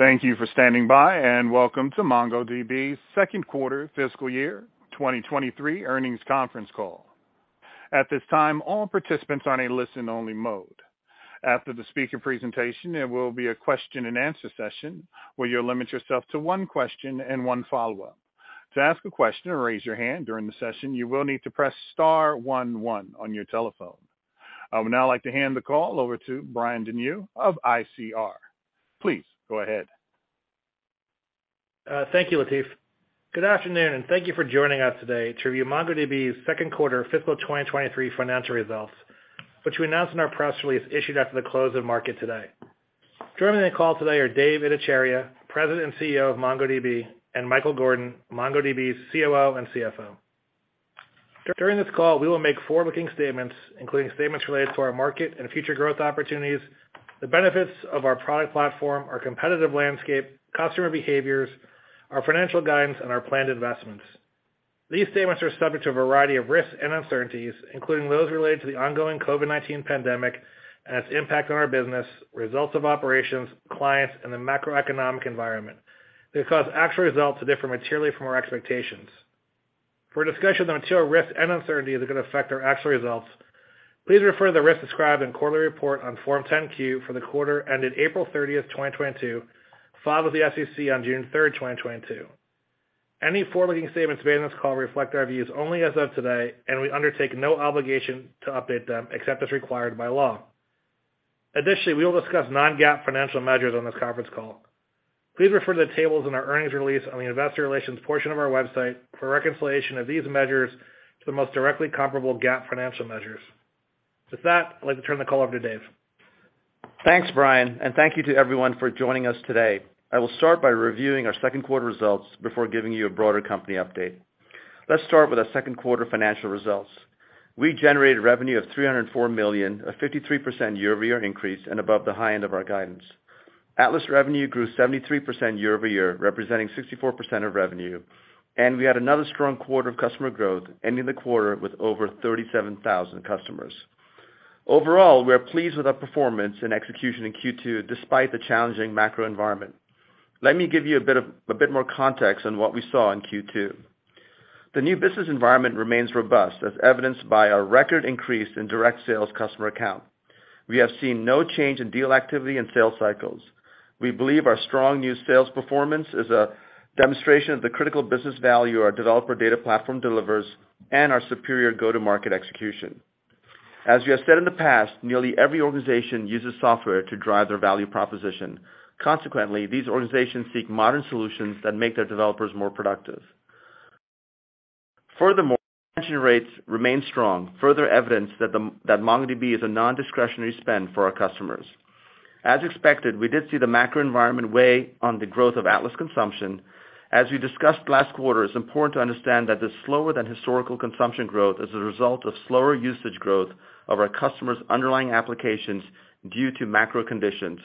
Thank you for standing by, and welcome to MongoDB's second quarter fiscal year 2023 earnings conference call. At this time, all participants are in a listen-only mode. After the speaker presentation, there will be a question and answer session where you'll limit yourself to one question and one follow-up. To ask a question or raise your hand during the session, you will need to press star one one on your telephone. I would now like to hand the call over to Brian Denyeau of ICR. Please go ahead. Thank you, Latif. Good afternoon, and thank you for joining us today to review MongoDB's second quarter fiscal 2023 financial results, which we announced in our press release issued after the close of market today. Joining the call today are Dev Ittycheria, President and CEO of MongoDB, and Michael Gordon, MongoDB's COO and CFO. During this call, we will make forward-looking statements, including statements related to our market and future growth opportunities, the benefits of our product platform, our competitive landscape, customer behaviors, our financial guidance, and our planned investments. These statements are subject to a variety of risks and uncertainties, including those related to the ongoing COVID-19 pandemic and its impact on our business, results of operations, clients, and the macroeconomic environment. They cause actual results to differ materially from our expectations. For a discussion of the material risks and uncertainties that could affect our actual results, please refer to the risks described in Quarterly Report on Form 10-Q for the quarter ended April 30th, 2022, filed with the SEC on June 3rd, 2022. Any forward-looking statements made on this call reflect our views only as of today, and we undertake no obligation to update them except as required by law. Additionally, we will discuss non-GAAP financial measures on this conference call. Please refer to the tables in our earnings release on the investor relations portion of our website for a reconciliation of these measures to the most directly comparable GAAP financial measures. With that, I'd like to turn the call over to Dev. Thanks, Brian, and thank you to everyone for joining us today. I will start by reviewing our second quarter results before giving you a broader company update. Let's start with our second quarter financial results. We generated revenue of $304 million, a 53% year-over-year increase, and above the high end of our guidance. Atlas revenue grew 73% year-over-year, representing 64% of revenue, and we had another strong quarter of customer growth, ending the quarter with over 37,000 customers. Overall, we are pleased with our performance and execution in Q2 despite the challenging macro environment. Let me give you a bit more context on what we saw in Q2. The new business environment remains robust, as evidenced by our record increase in direct sales customer account. We have seen no change in deal activity and sales cycles. We believe our strong new sales performance is a demonstration of the critical business value our developer data platform delivers and our superior go-to-market execution. As we have said in the past, nearly every organization uses software to drive their value proposition. Consequently, these organizations seek modern solutions that make their developers more productive. Furthermore, retention rates remain strong, further evidence that MongoDB is a non-discretionary spend for our customers. As expected, we did see the macro environment weigh on the growth of Atlas consumption. As we discussed last quarter, it's important to understand that the slower than historical consumption growth is a result of slower usage growth of our customers' underlying applications due to macro conditions.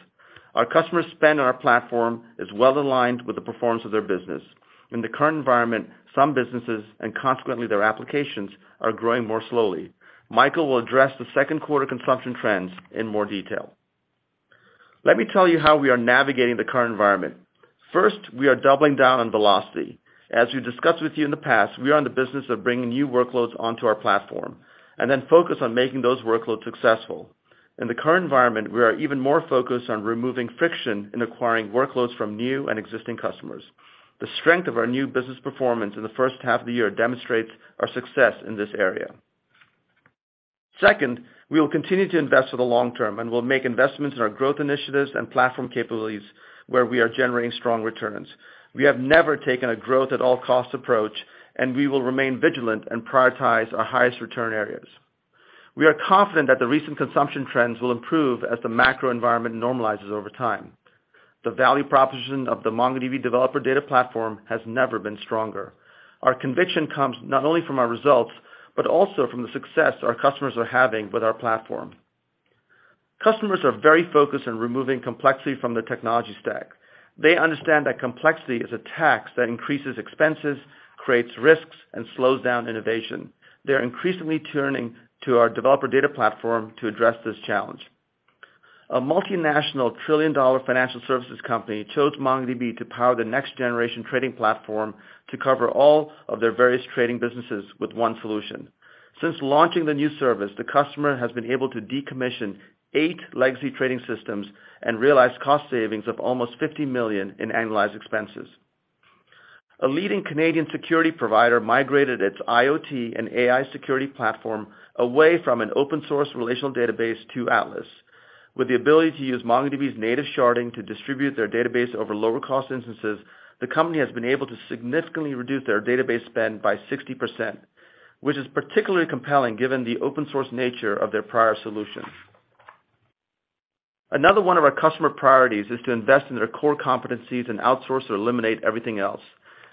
Our customers spend on our platform is well-aligned with the performance of their business. In the current environment, some businesses, and consequently their applications, are growing more slowly. Michael will address the second quarter consumption trends in more detail. Let me tell you how we are navigating the current environment. First, we are doubling down on velocity. As we've discussed with you in the past, we are in the business of bringing new workloads onto our platform and then focus on making those workloads successful. In the current environment, we are even more focused on removing friction in acquiring workloads from new and existing customers. The strength of our new business performance in the first half of the year demonstrates our success in this area. Second, we will continue to invest for the long term and will make investments in our growth initiatives and platform capabilities where we are generating strong returns. We have never taken a growth at all costs approach, and we will remain vigilant and prioritize our highest return areas. We are confident that the recent consumption trends will improve as the macro environment normalizes over time. The value proposition of the MongoDB developer data platform has never been stronger. Our conviction comes not only from our results, but also from the success our customers are having with our platform. Customers are very focused on removing complexity from their technology stack. They understand that complexity is a tax that increases expenses, creates risks, and slows down innovation. They're increasingly turning to our developer data platform to address this challenge. A multinational trillion-dollar financial services company chose MongoDB to power the next generation trading platform to cover all of their various trading businesses with one solution. Since launching the new service, the customer has been able to decommission eight legacy trading systems and realize cost savings of almost $50 million in annualized expenses. A leading Canadian security provider migrated its IoT and AI security platform away from an open source relational database to Atlas. With the ability to use MongoDB's native sharding to distribute their database over lower cost instances, the company has been able to significantly reduce their database spend by 60%, which is particularly compelling given the open source nature of their prior solution. Another one of our customer priorities is to invest in their core competencies and outsource or eliminate everything else.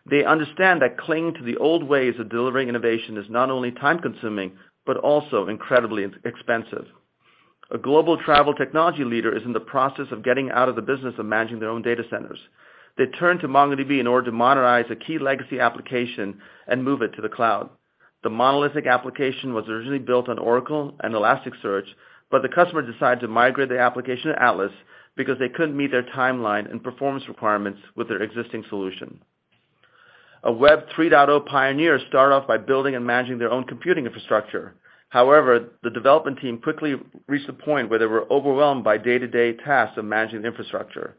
They understand that clinging to the old ways of delivering innovation is not only time-consuming, but also incredibly expensive. A global travel technology leader is in the process of getting out of the business of managing their own data centers. They turned to MongoDB in order to modernize a key legacy application and move it to the cloud. The monolithic application was originally built on Oracle and Elasticsearch, but the customer decided to migrate the application to Atlas because they couldn't meet their timeline and performance requirements with their existing solution. A Web 3.0 pioneer started off by building and managing their own computing infrastructure. However, the development team quickly reached a point where they were overwhelmed by day-to-day tasks of managing the infrastructure.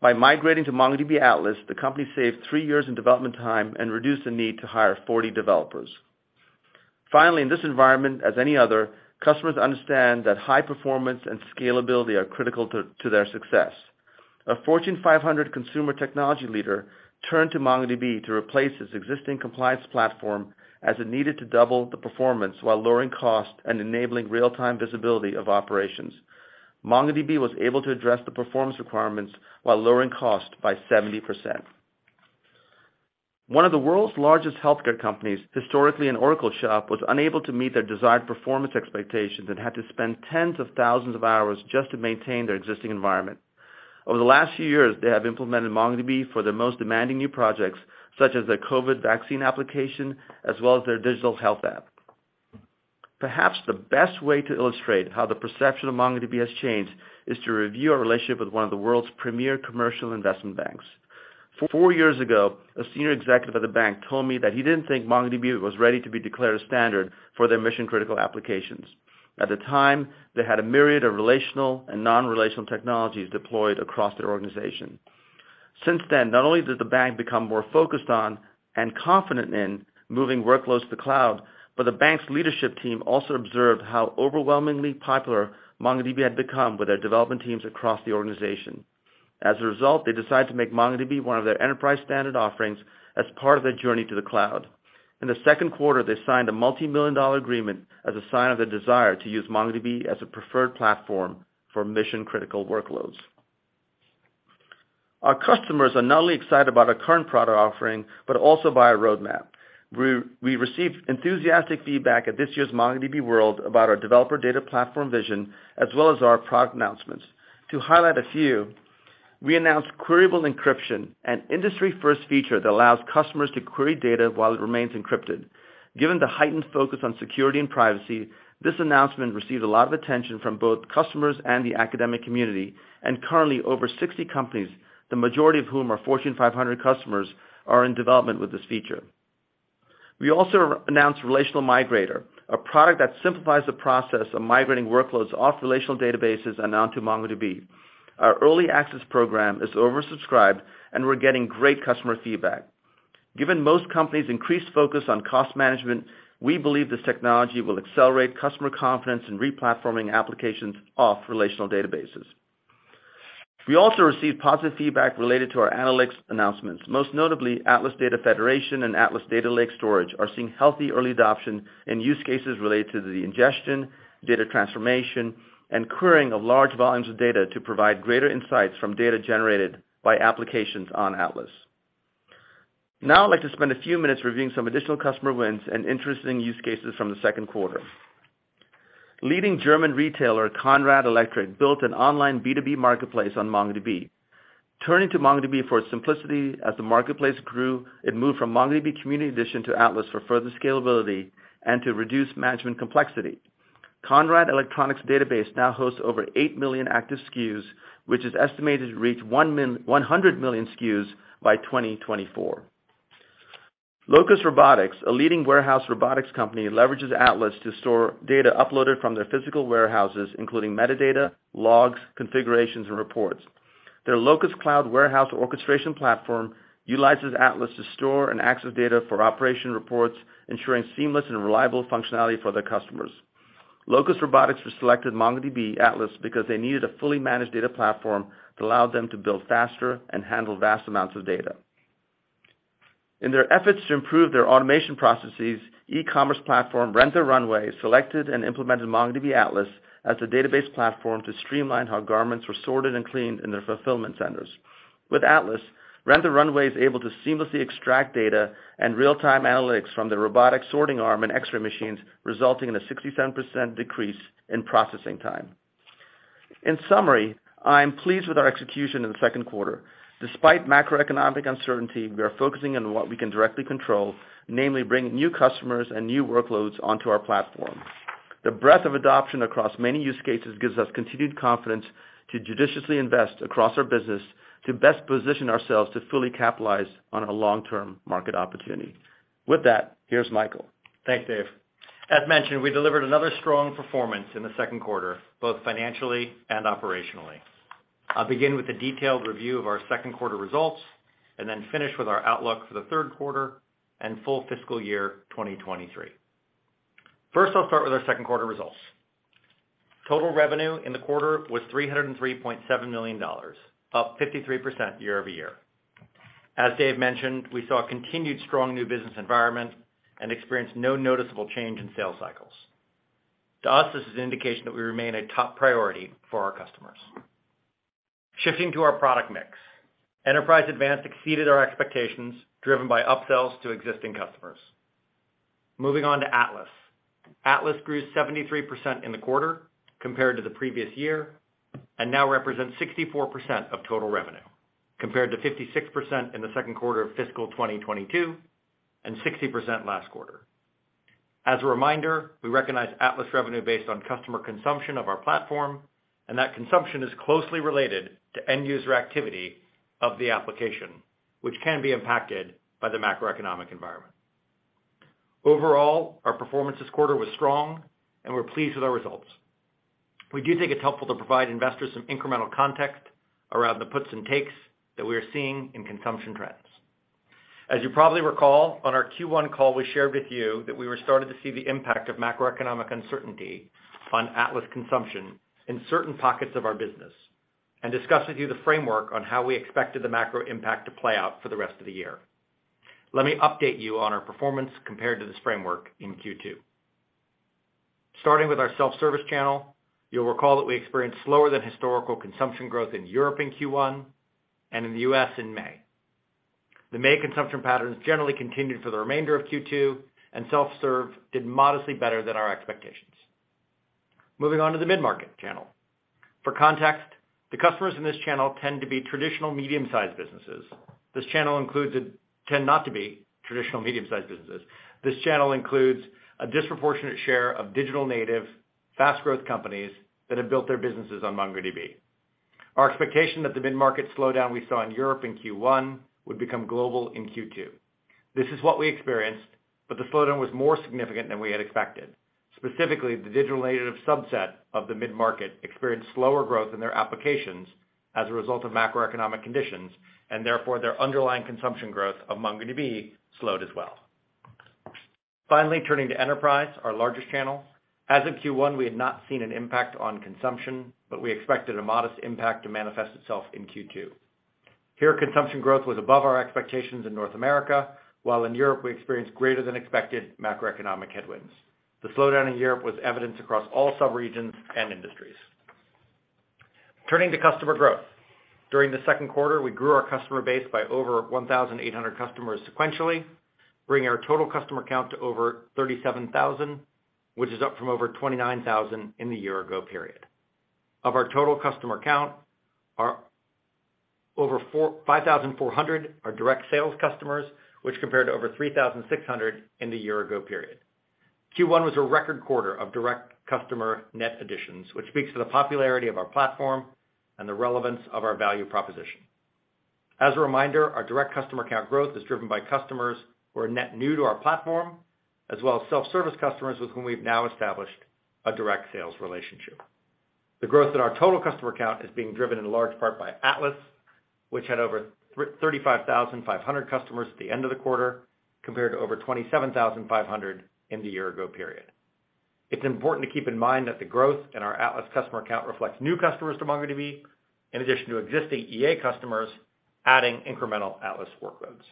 By migrating to MongoDB Atlas, the company saved three years in development time and reduced the need to hire 40 developers. Finally, in this environment as any other, customers understand that high performance and scalability are critical to their success. A Fortune 500 consumer technology leader turned to MongoDB to replace its existing compliance platform as it needed to double the performance while lowering cost and enabling real-time visibility of operations. MongoDB was able to address the performance requirements while lowering cost by 70%. One of the world's largest healthcare companies, historically an Oracle shop, was unable to meet their desired performance expectations and had to spend tens of thousands of hours just to maintain their existing environment. Over the last few years, they have implemented MongoDB for their most demanding new projects, such as their COVID vaccine application, as well as their digital health app. Perhaps the best way to illustrate how the perception of MongoDB has changed is to review our relationship with one of the world's premier commercial investment banks. Four years ago, a senior executive at the bank told me that he didn't think MongoDB was ready to be declared a standard for their mission-critical applications. At the time, they had a myriad of relational and non-relational technologies deployed across their organization. Since then, not only did the bank become more focused on and confident in moving workloads to the cloud, but the bank's leadership team also observed how overwhelmingly popular MongoDB had become with their development teams across the organization. As a result, they decided to make MongoDB one of their enterprise standard offerings as part of their journey to the cloud. In the second quarter, they signed a multi-million-dollar agreement as a sign of their desire to use MongoDB as a preferred platform for mission-critical workloads. Our customers are not only excited about our current product offering, but also by our roadmap. We received enthusiastic feedback at this year's MongoDB World about our developer data platform vision, as well as our product announcements. To highlight a few, we announced Queryable Encryption, an industry-first feature that allows customers to query data while it remains encrypted. Given the heightened focus on security and privacy, this announcement received a lot of attention from both customers and the academic community, and currently over 60 companies, the majority of whom are Fortune 500 customers, are in development with this feature. We also announced Relational Migrator, a product that simplifies the process of migrating workloads off relational databases and onto MongoDB. Our early access program is oversubscribed and we're getting great customer feedback. Given most companies' increased focus on cost management, we believe this technology will accelerate customer confidence in replatforming applications off relational databases. We also received positive feedback related to our analytics announcements. Most notably, Atlas Data Federation and Atlas Data Lake storage are seeing healthy early adoption and use cases related to the ingestion, data transformation, and querying of large volumes of data to provide greater insights from data generated by applications on Atlas. Now I'd like to spend a few minutes reviewing some additional customer wins and interesting use cases from the second quarter. Leading German retailer Conrad Electronic built an online B2B marketplace on MongoDB. Turning to MongoDB for its simplicity as the marketplace grew, it moved from MongoDB Community Edition to Atlas for further scalability and to reduce management complexity. Conrad Electronic's database now hosts over 8 million active SKUs, which is estimated to reach 100 million SKUs by 2024. Locus Robotics, a leading warehouse robotics company, leverages Atlas to store data uploaded from their physical warehouses, including metadata, logs, configurations, and reports. Their Locus Cloud warehouse orchestration platform utilizes Atlas to store and access data for operation reports, ensuring seamless and reliable functionality for their customers. Locus Robotics selected MongoDB Atlas because they needed a fully managed data platform that allowed them to build faster and handle vast amounts of data. In their efforts to improve their automation processes, e-commerce platform Rent the Runway selected and implemented MongoDB Atlas as the database platform to streamline how garments were sorted and cleaned in their fulfillment centers. With Atlas, Rent the Runway is able to seamlessly extract data and real-time analytics from the robotic sorting arm and X-ray machines, resulting in a 67% decrease in processing time. In summary, I am pleased with our execution in the second quarter. Despite macroeconomic uncertainty, we are focusing on what we can directly control, namely bringing new customers and new workloads onto our platform. The breadth of adoption across many use cases gives us continued confidence to judiciously invest across our business to best position ourselves to fully capitalize on a long-term market opportunity. With that, here's Michael. Thanks, Dev. As mentioned, we delivered another strong performance in the second quarter, both financially and operationally. I'll begin with a detailed review of our second quarter results and then finish with our outlook for the third quarter and full fiscal year 2023. First, I'll start with our second quarter results. Total revenue in the quarter was $303.7 million, up 53% year-over-year. As Dev mentioned, we saw a continued strong new business environment and experienced no noticeable change in sales cycles. To us, this is an indication that we remain a top priority for our customers. Shifting to our product mix, Enterprise Advanced exceeded our expectations, driven by upsells to existing customers. Moving on to Atlas. Atlas grew 73% in the quarter compared to the previous year, and now represents 64% of total revenue, compared to 56% in the second quarter of fiscal 2022, and 60% last quarter. As a reminder, we recognize Atlas revenue based on customer consumption of our platform, and that consumption is closely related to end user activity of the application, which can be impacted by the macroeconomic environment. Overall, our performance this quarter was strong and we're pleased with our results. We do think it's helpful to provide investors some incremental context around the puts and takes that we are seeing in consumption trends. As you probably recall, on our Q1 call, we shared with you that we were starting to see the impact of macroeconomic uncertainty on Atlas consumption in certain pockets of our business and discussed with you the framework on how we expected the macro impact to play out for the rest of the year. Let me update you on our performance compared to this framework in Q2. Starting with our self-service channel, you'll recall that we experienced slower than historical consumption growth in Europe in Q1 and in the U.S. in May. The May consumption patterns generally continued for the remainder of Q2, and self-serve did modestly better than our expectations. Moving on to the mid-market channel. For context, the customers in this channel tend to be traditional medium-sized businesses. This channel includes a disproportionate share of digital-native, fast-growth companies that have built their businesses on MongoDB. Our expectation that the mid-market slowdown we saw in Europe in Q1 would become global in Q2. This is what we experienced, but the slowdown was more significant than we had expected. Specifically, the digital-native subset of the mid-market experienced slower growth in their applications as a result of macroeconomic conditions, and therefore their underlying consumption growth of MongoDB slowed as well. Finally, turning to enterprise, our largest channel. As of Q1, we had not seen an impact on consumption, but we expected a modest impact to manifest itself in Q2. Here, consumption growth was above our expectations in North America, while in Europe we experienced greater than expected macroeconomic headwinds. The slowdown in Europe was evidenced across all sub-regions and industries. Turning to customer growth. During the second quarter, we grew our customer base by over 1,800 customers sequentially, bringing our total customer count to over 37,000, which is up from over 29,000 in the year ago period. Of our total customer count, over 5,400 are direct sales customers, which compared to over 3,600 in the year ago period. Q1 was a record quarter of direct customer net additions, which speaks to the popularity of our platform and the relevance of our value proposition. As a reminder, our direct customer count growth is driven by customers who are net new to our platform, as well as self-service customers with whom we've now established a direct sales relationship. The growth in our total customer count is being driven in large part by Atlas, which had over 35,500 customers at the end of the quarter, compared to over 27,500 in the year ago period. It's important to keep in mind that the growth in our Atlas customer count reflects new customers to MongoDB, in addition to existing EA customers adding incremental Atlas workloads.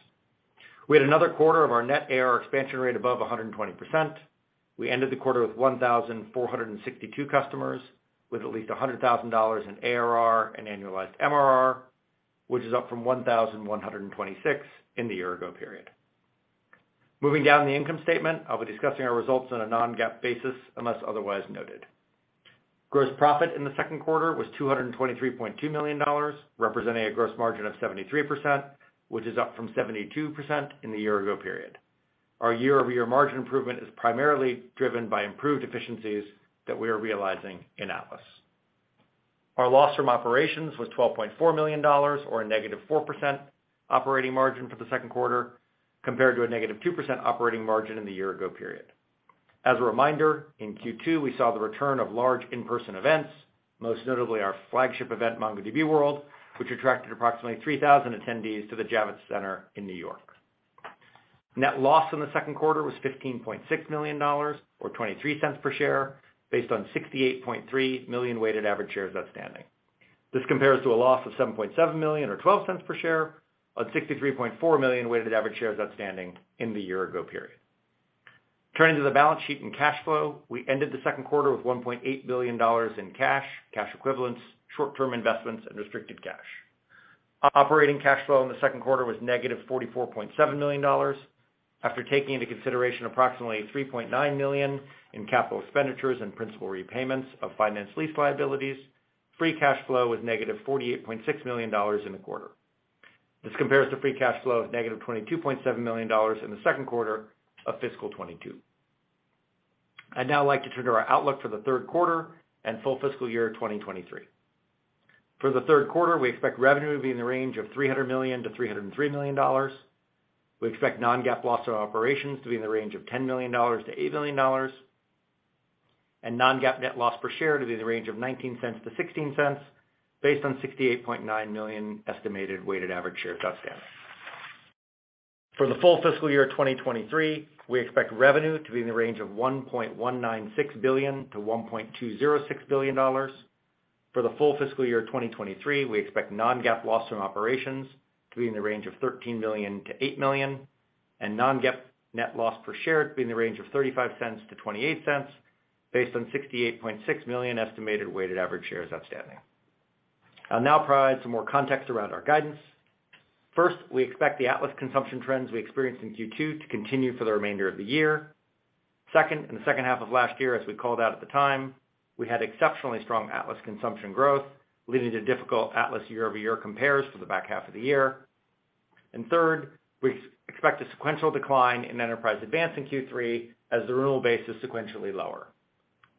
We had another quarter of our net ARR expansion rate above 120%. We ended the quarter with 1,462 customers with at least $100,000 in ARR and annualized MRR, which is up from 1,126 in the year ago period. Moving down the income statement, I'll be discussing our results on a non-GAAP basis unless otherwise noted. Gross profit in the second quarter was $223.2 million, representing a gross margin of 73%, which is up from 72% in the year ago period. Our year-over-year margin improvement is primarily driven by improved efficiencies that we are realizing in Atlas. Our loss from operations was $12.4 million or a -4% operating margin for the second quarter, compared to a -2% operating margin in the year ago period. As a reminder, in Q2, we saw the return of large in-person events, most notably our flagship event, MongoDB World, which attracted approximately 3,000 attendees to the Javits Center in New York. Net loss in the second quarter was $15.6 million or $0.23 per share based on 68.3 million weighted average shares outstanding. This compares to a loss of $7.7 million or $0.12 per share on 63.4 million weighted average shares outstanding in the year ago period. Turning to the balance sheet and cash flow. We ended the second quarter with $1.8 billion in cash equivalents, short-term investments, and restricted cash. Operating cash flow in the second quarter was negative $44.7 million. After taking into consideration approximately $3.9 million in capital expenditures and principal repayments of finance lease liabilities, free cash flow was negative $48.6 million in the quarter. This compares to free cash flow of negative $22.7 million in the second quarter of fiscal 2022. I'd now like to turn to our outlook for the third quarter and full fiscal year 2023. For the third quarter, we expect revenue to be in the range of $300 million-$303 million. We expect non-GAAP loss from operations to be in the range of $10 million-$8 million, and non-GAAP net loss per share to be in the range of $0.19-$0.16 based on 68.9 million estimated weighted average shares outstanding. For the full fiscal year 2023, we expect revenue to be in the range of $1.196 billion-$1.206 billion. For the full fiscal year 2023, we expect non-GAAP loss from operations to be in the range of $13 million-$8 million and non-GAAP net loss per share to be in the range of $0.35-$0.28 based on 68.6 million estimated weighted average shares outstanding. I'll now provide some more context around our guidance. First, we expect the Atlas consumption trends we experienced in Q2 to continue for the remainder of the year. Second, in the second half of last year, as we called out at the time, we had exceptionally strong Atlas consumption growth, leading to difficult Atlas year-over-year compares for the back half of the year. Third, we expect a sequential decline in Enterprise Advanced in Q3 as the renewal base is sequentially lower.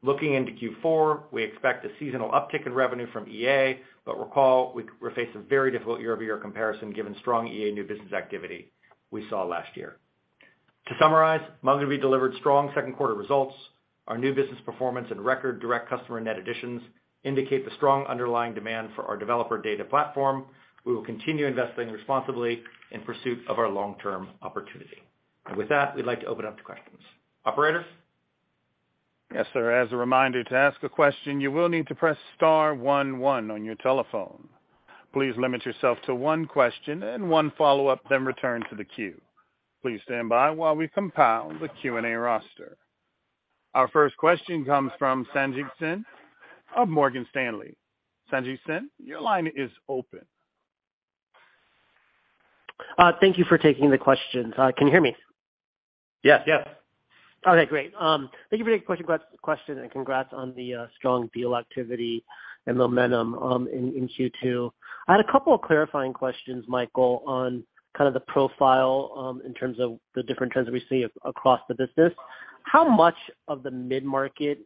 Looking into Q4, we expect a seasonal uptick in revenue from EA, but recall we face a very difficult year-over-year comparison given strong EA new business activity we saw last year. To summarize, MongoDB delivered strong second quarter results. Our new business performance and record direct customer net additions indicate the strong underlying demand for our developer data platform. We will continue investing responsibly in pursuit of our long-term opportunity. With that, we'd like to open up to questions. Operator? Yes, sir. As a reminder, to ask a question, you will need to press star one one on your telephone. Please limit yourself to one question and one follow-up, then return to the queue. Please stand by while we compile the Q&A roster. Our first question comes from Sanjit Singh of Morgan Stanley. Sanjit Singh, your line is open. Thank you for taking the questions. Can you hear me? Yes. Yes. Okay, great. Thank you for taking the question, guys, and congrats on the strong deal activity and momentum in Q2. I had a couple of clarifying questions, Michael, on kind of the profile in terms of the different trends we see across the business. How much does the mid-market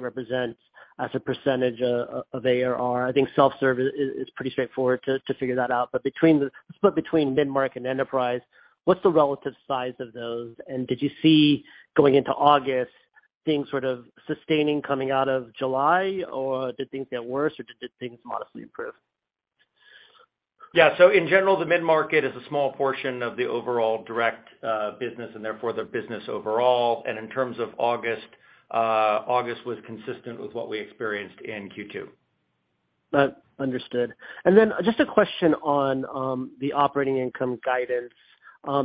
represent as a percentage of ARR? I think self-serve is pretty straightforward to figure that out. But between mid-market and enterprise, what's the relative size of those? And did you see going into August things sort of sustaining coming out of July, or did things get worse, or did things modestly improve? Yeah. In general, the mid-market is a small portion of the overall direct business and therefore the business overall. In terms of August was consistent with what we experienced in Q2. Understood. Just a question on the operating income guidance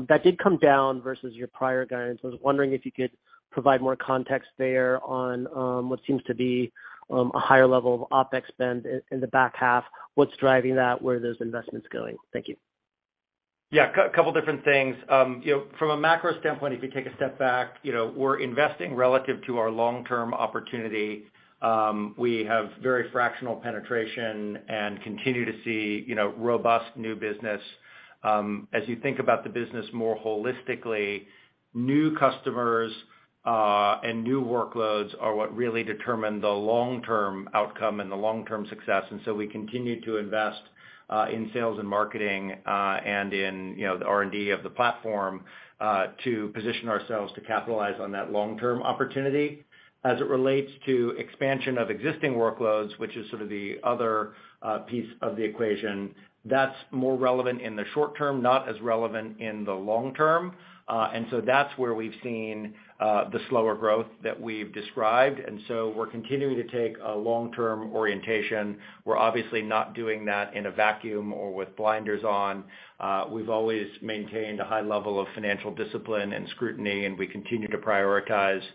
that did come down versus your prior guidance. I was wondering if you could provide more context there on what seems to be a higher level of OpEx spend in the back half. What's driving that? Where are those investments going? Thank you. Yeah. Couple different things. You know, from a macro standpoint, if you take a step back, you know, we're investing relative to our long-term opportunity. We have very fractional penetration and continue to see, you know, robust new business. As you think about the business more holistically, new customers and new workloads are what really determine the long-term outcome and the long-term success. We continue to invest in sales and marketing and in, you know, the R&D of the platform to position ourselves to capitalize on that long-term opportunity. As it relates to expansion of existing workloads, which is sort of the other piece of the equation, that's more relevant in the short term, not as relevant in the long term. That's where we've seen the slower growth that we've described. We're continuing to take a long-term orientation. We're obviously not doing that in a vacuum or with blinders on. We've always maintained a high level of financial discipline and scrutiny, and we continue to prioritize, you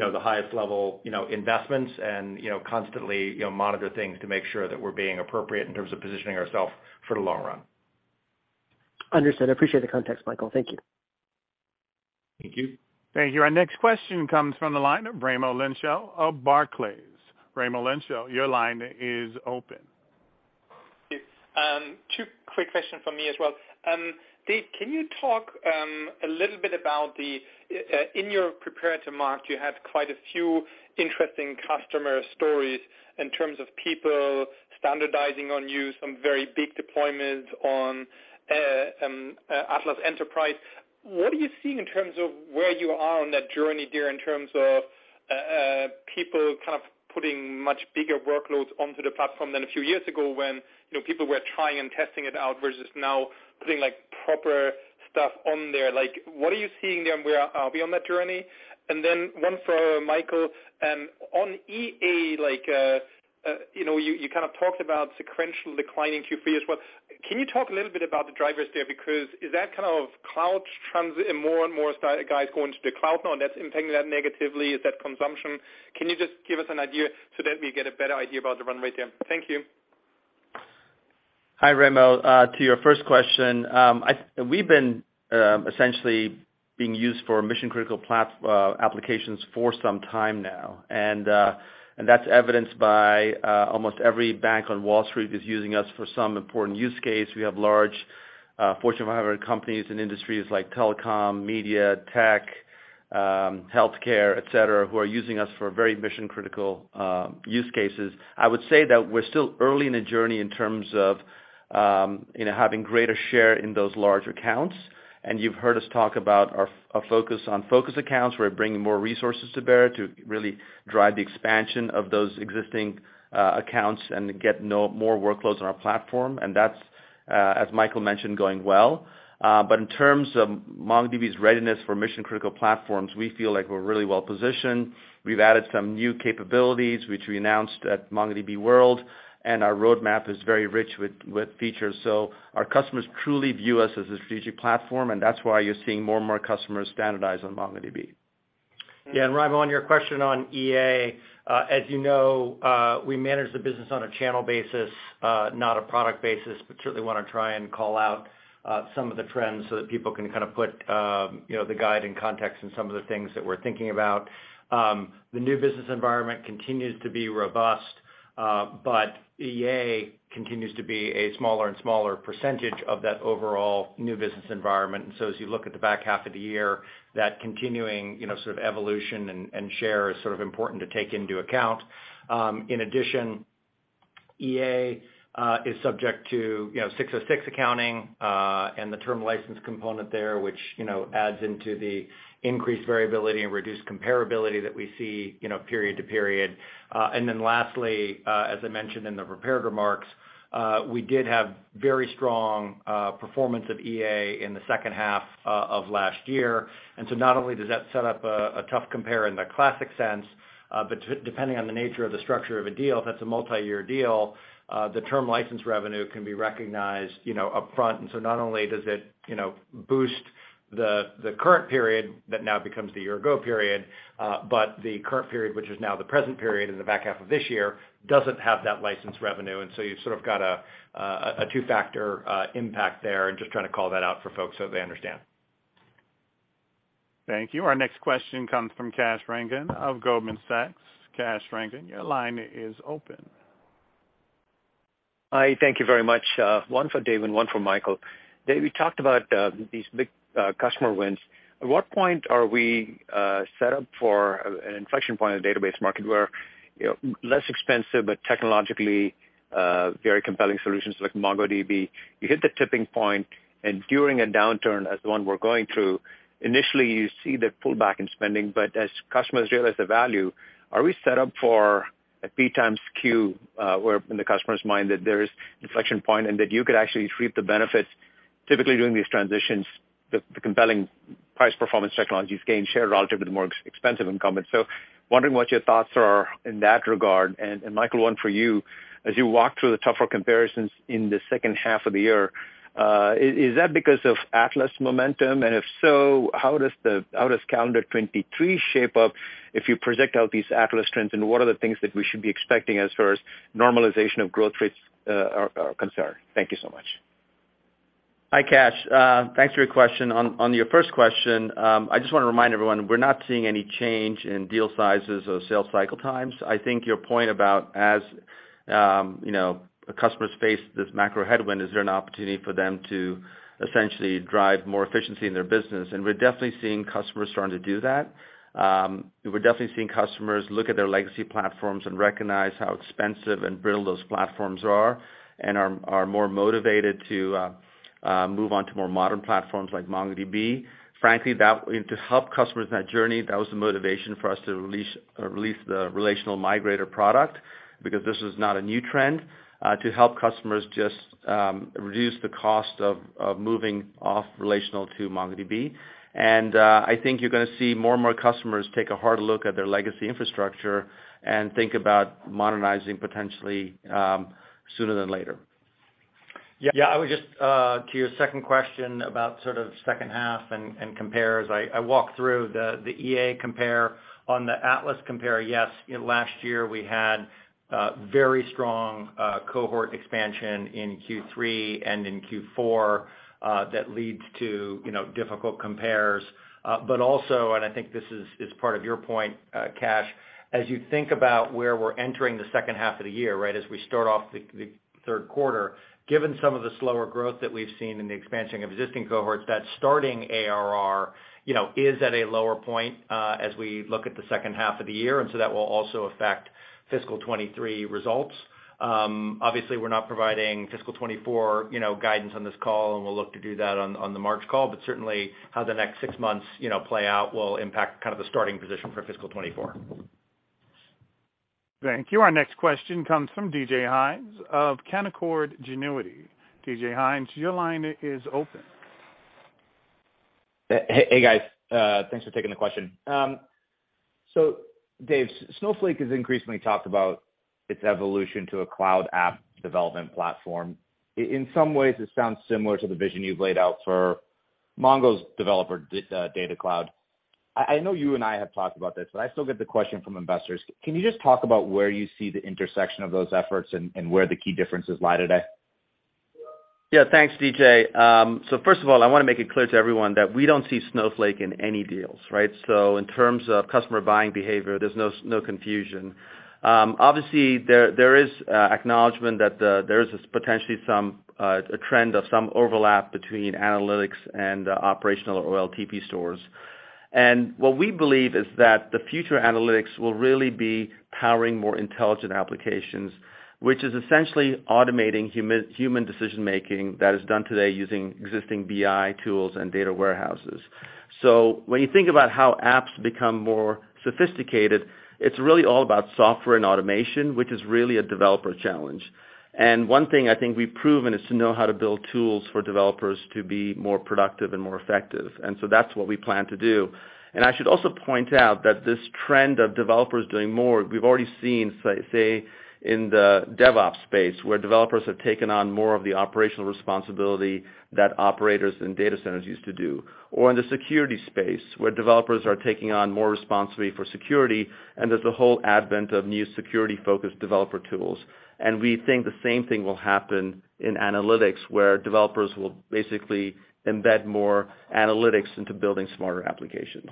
know, the highest level, you know, investments and, you know, constantly, you know, monitor things to make sure that we're being appropriate in terms of positioning ourselves for the long run. Understood. I appreciate the context, Michael. Thank you. Thank you. Thank you. Our next question comes from the line of Raimo Lenschow of Barclays. Raimo Lenschow, your line is open. Yes. Two quick questions from me as well. Dev, can you talk a little bit about the, in your prepared remarks, you had quite a few interesting customer stories in terms of people standardizing on you, some very big deployments on Atlas Enterprise. What are you seeing in terms of where you are on that journey there in terms of people kind of putting much bigger workloads onto the platform than a few years ago when, you know, people were trying and testing it out versus now putting like proper stuff on there? Like, what are you seeing there, and where are we on that journey? And then one for Michael. On EA, like, you know, you kind of talked about sequential decline in Q3 as well. Can you talk a little bit about the drivers there? Because is that kind of cloud transition and more and more startups going to the cloud now and that's impacting that negatively? Is that consumption? Can you just give us an idea so that we get a better idea about the run rate there? Thank you. Hi, Raimo. To your first question, we've been essentially being used for mission-critical applications for some time now. That's evidenced by almost every bank on Wall Street using us for some important use case. We have large Fortune 500 companies in industries like telecom, media, tech, healthcare, et cetera, who are using us for very mission-critical use cases. I would say that we're still early in the journey in terms of you know having greater share in those larger accounts. You've heard us talk about our focus accounts. We're bringing more resources to bear to really drive the expansion of those existing accounts and get more workloads on our platform. That's as Michael mentioned going well. In terms of MongoDB's readiness for mission-critical platforms, we feel like we're really well positioned. We've added some new capabilities, which we announced at MongoDB World, and our roadmap is very rich with features. Our customers truly view us as a strategic platform, and that's why you're seeing more and more customers standardize on MongoDB. Yeah, Raimo, your question on EA. As you know, we manage the business on a channel basis, not a product basis, but certainly wanna try and call out some of the trends so that people can kind of put you know the guide in context and some of the things that we're thinking about. The new business environment continues to be robust, but EA continues to be a smaller and smaller percentage of that overall new business environment. As you look at the back half of the year, that continuing, you know, sort of evolution and share is sort of important to take into account. In addition, EA is subject to, you know, 606 accounting and the term license component there, which, you know, adds into the increased variability and reduced comparability that we see, you know, period to period. Lastly, as I mentioned in the prepared remarks, we did have very strong performance of EA in the second half of last year. Not only does that set up a tough compare in the classic sense, but depending on the nature of the structure of a deal, if that's a multiyear deal, the term license revenue can be recognized, you know, upfront. Not only does it, you know, boost the current period, that now becomes the year-ago period, but the current period, which is now the present period in the back half of this year, doesn't have that license revenue. You've sort of got a two-factor impact there, and just trying to call that out for folks so they understand. Thank you. Our next question comes from Kash Rangan of Goldman Sachs. Kash Rangan, your line is open. Hi, thank you very much. One for Dev and one for Michael. Dev, you talked about these big customer wins. At what point are we set up for an inflection point in the database market where, you know, less expensive but technologically very compelling solutions like MongoDB, you hit the tipping point, and during a downturn, as the one we're going through, initially you see the pullback in spending. But as customers realize the value, are we set up for a PxQ, where in the customer's mind that there is inflection point, and that you could actually reap the benefits typically during these transitions, the compelling price-performance technologies gain share relative to the more expensive incumbents. Wondering what your thoughts are in that regard. Michael, one for you. As you walk through the tougher comparisons in the second half of the year, is that because of Atlas momentum? If so, how does calendar 2023 shape up if you project out these Atlas trends, and what are the things that we should be expecting as far as normalization of growth rates are concerned? Thank you so much. Hi, Kash. Thanks for your question. On your first question, I just wanna remind everyone, we're not seeing any change in deal sizes or sales cycle times. I think your point about, as you know, the customers face this macro headwind, is there an opportunity for them to essentially drive more efficiency in their business, and we're definitely seeing customers starting to do that. We're definitely seeing customers look at their legacy platforms and recognize how expensive and brittle those platforms are and are more motivated to move on to more modern platforms like MongoDB. Frankly, that, and to help customers in that journey, that was the motivation for us to release the Relational Migrator product, because this is not a new trend to help customers just reduce the cost of moving off relational to MongoDB. I think you're gonna see more and more customers take a hard look at their legacy infrastructure and think about modernizing potentially sooner than later. Yeah. Yeah. I would just to your second question about sort of second half and compares, I walked through the EA compare. On the Atlas compare, yes, last year we had very strong cohort expansion in Q3 and in Q4, that leads to, you know, difficult compares. But also, and I think this is part of your point, Kash, as you think about where we're entering the second half of the year, right? As we start off the third quarter, given some of the slower growth that we've seen in the expansion of existing cohorts, that starting ARR, you know, is at a lower point, as we look at the second half of the year, and so that will also affect fiscal 2023 results. Obviously, we're not providing fiscal 2024, you know, guidance on this call, and we'll look to do that on the March call. Certainly how the next six months, you know, play out will impact kind of the starting position for fiscal 2024. Thank you. Our next question comes from D.J. Hynes of Canaccord Genuity. D.J. Hynes, your line is open. Hey, guys. Thanks for taking the question. Dev, Snowflake has increasingly talked about its evolution to a cloud app development platform. In some ways, it sounds similar to the vision you've laid out for MongoDB's developer data platform. I know you and I have talked about this, but I still get the question from investors. Can you just talk about where you see the intersection of those efforts and where the key differences lie today? Yeah. Thanks, D.J. First of all, I want to make it clear to everyone that we don't see Snowflake in any deals, right? In terms of customer buying behavior, there's no confusion. Obviously, there is acknowledgement that there is potentially a trend of some overlap between analytics and operational OLTP stores. What we believe is that the future analytics will really be powering more intelligent applications, which is essentially automating human decision-making that is done today using existing BI tools and data warehouses. When you think about how apps become more sophisticated, it's really all about software and automation, which is really a developer challenge. One thing I think we've proven is to know how to build tools for developers to be more productive and more effective, and that's what we plan to do. I should also point out that this trend of developers doing more, we've already seen, say, in the DevOps space, where developers have taken on more of the operational responsibility that operators and data centers used to do, or in the security space, where developers are taking on more responsibility for security, and there's a whole advent of new security-focused developer tools. We think the same thing will happen in analytics, where developers will basically embed more analytics into building smarter applications.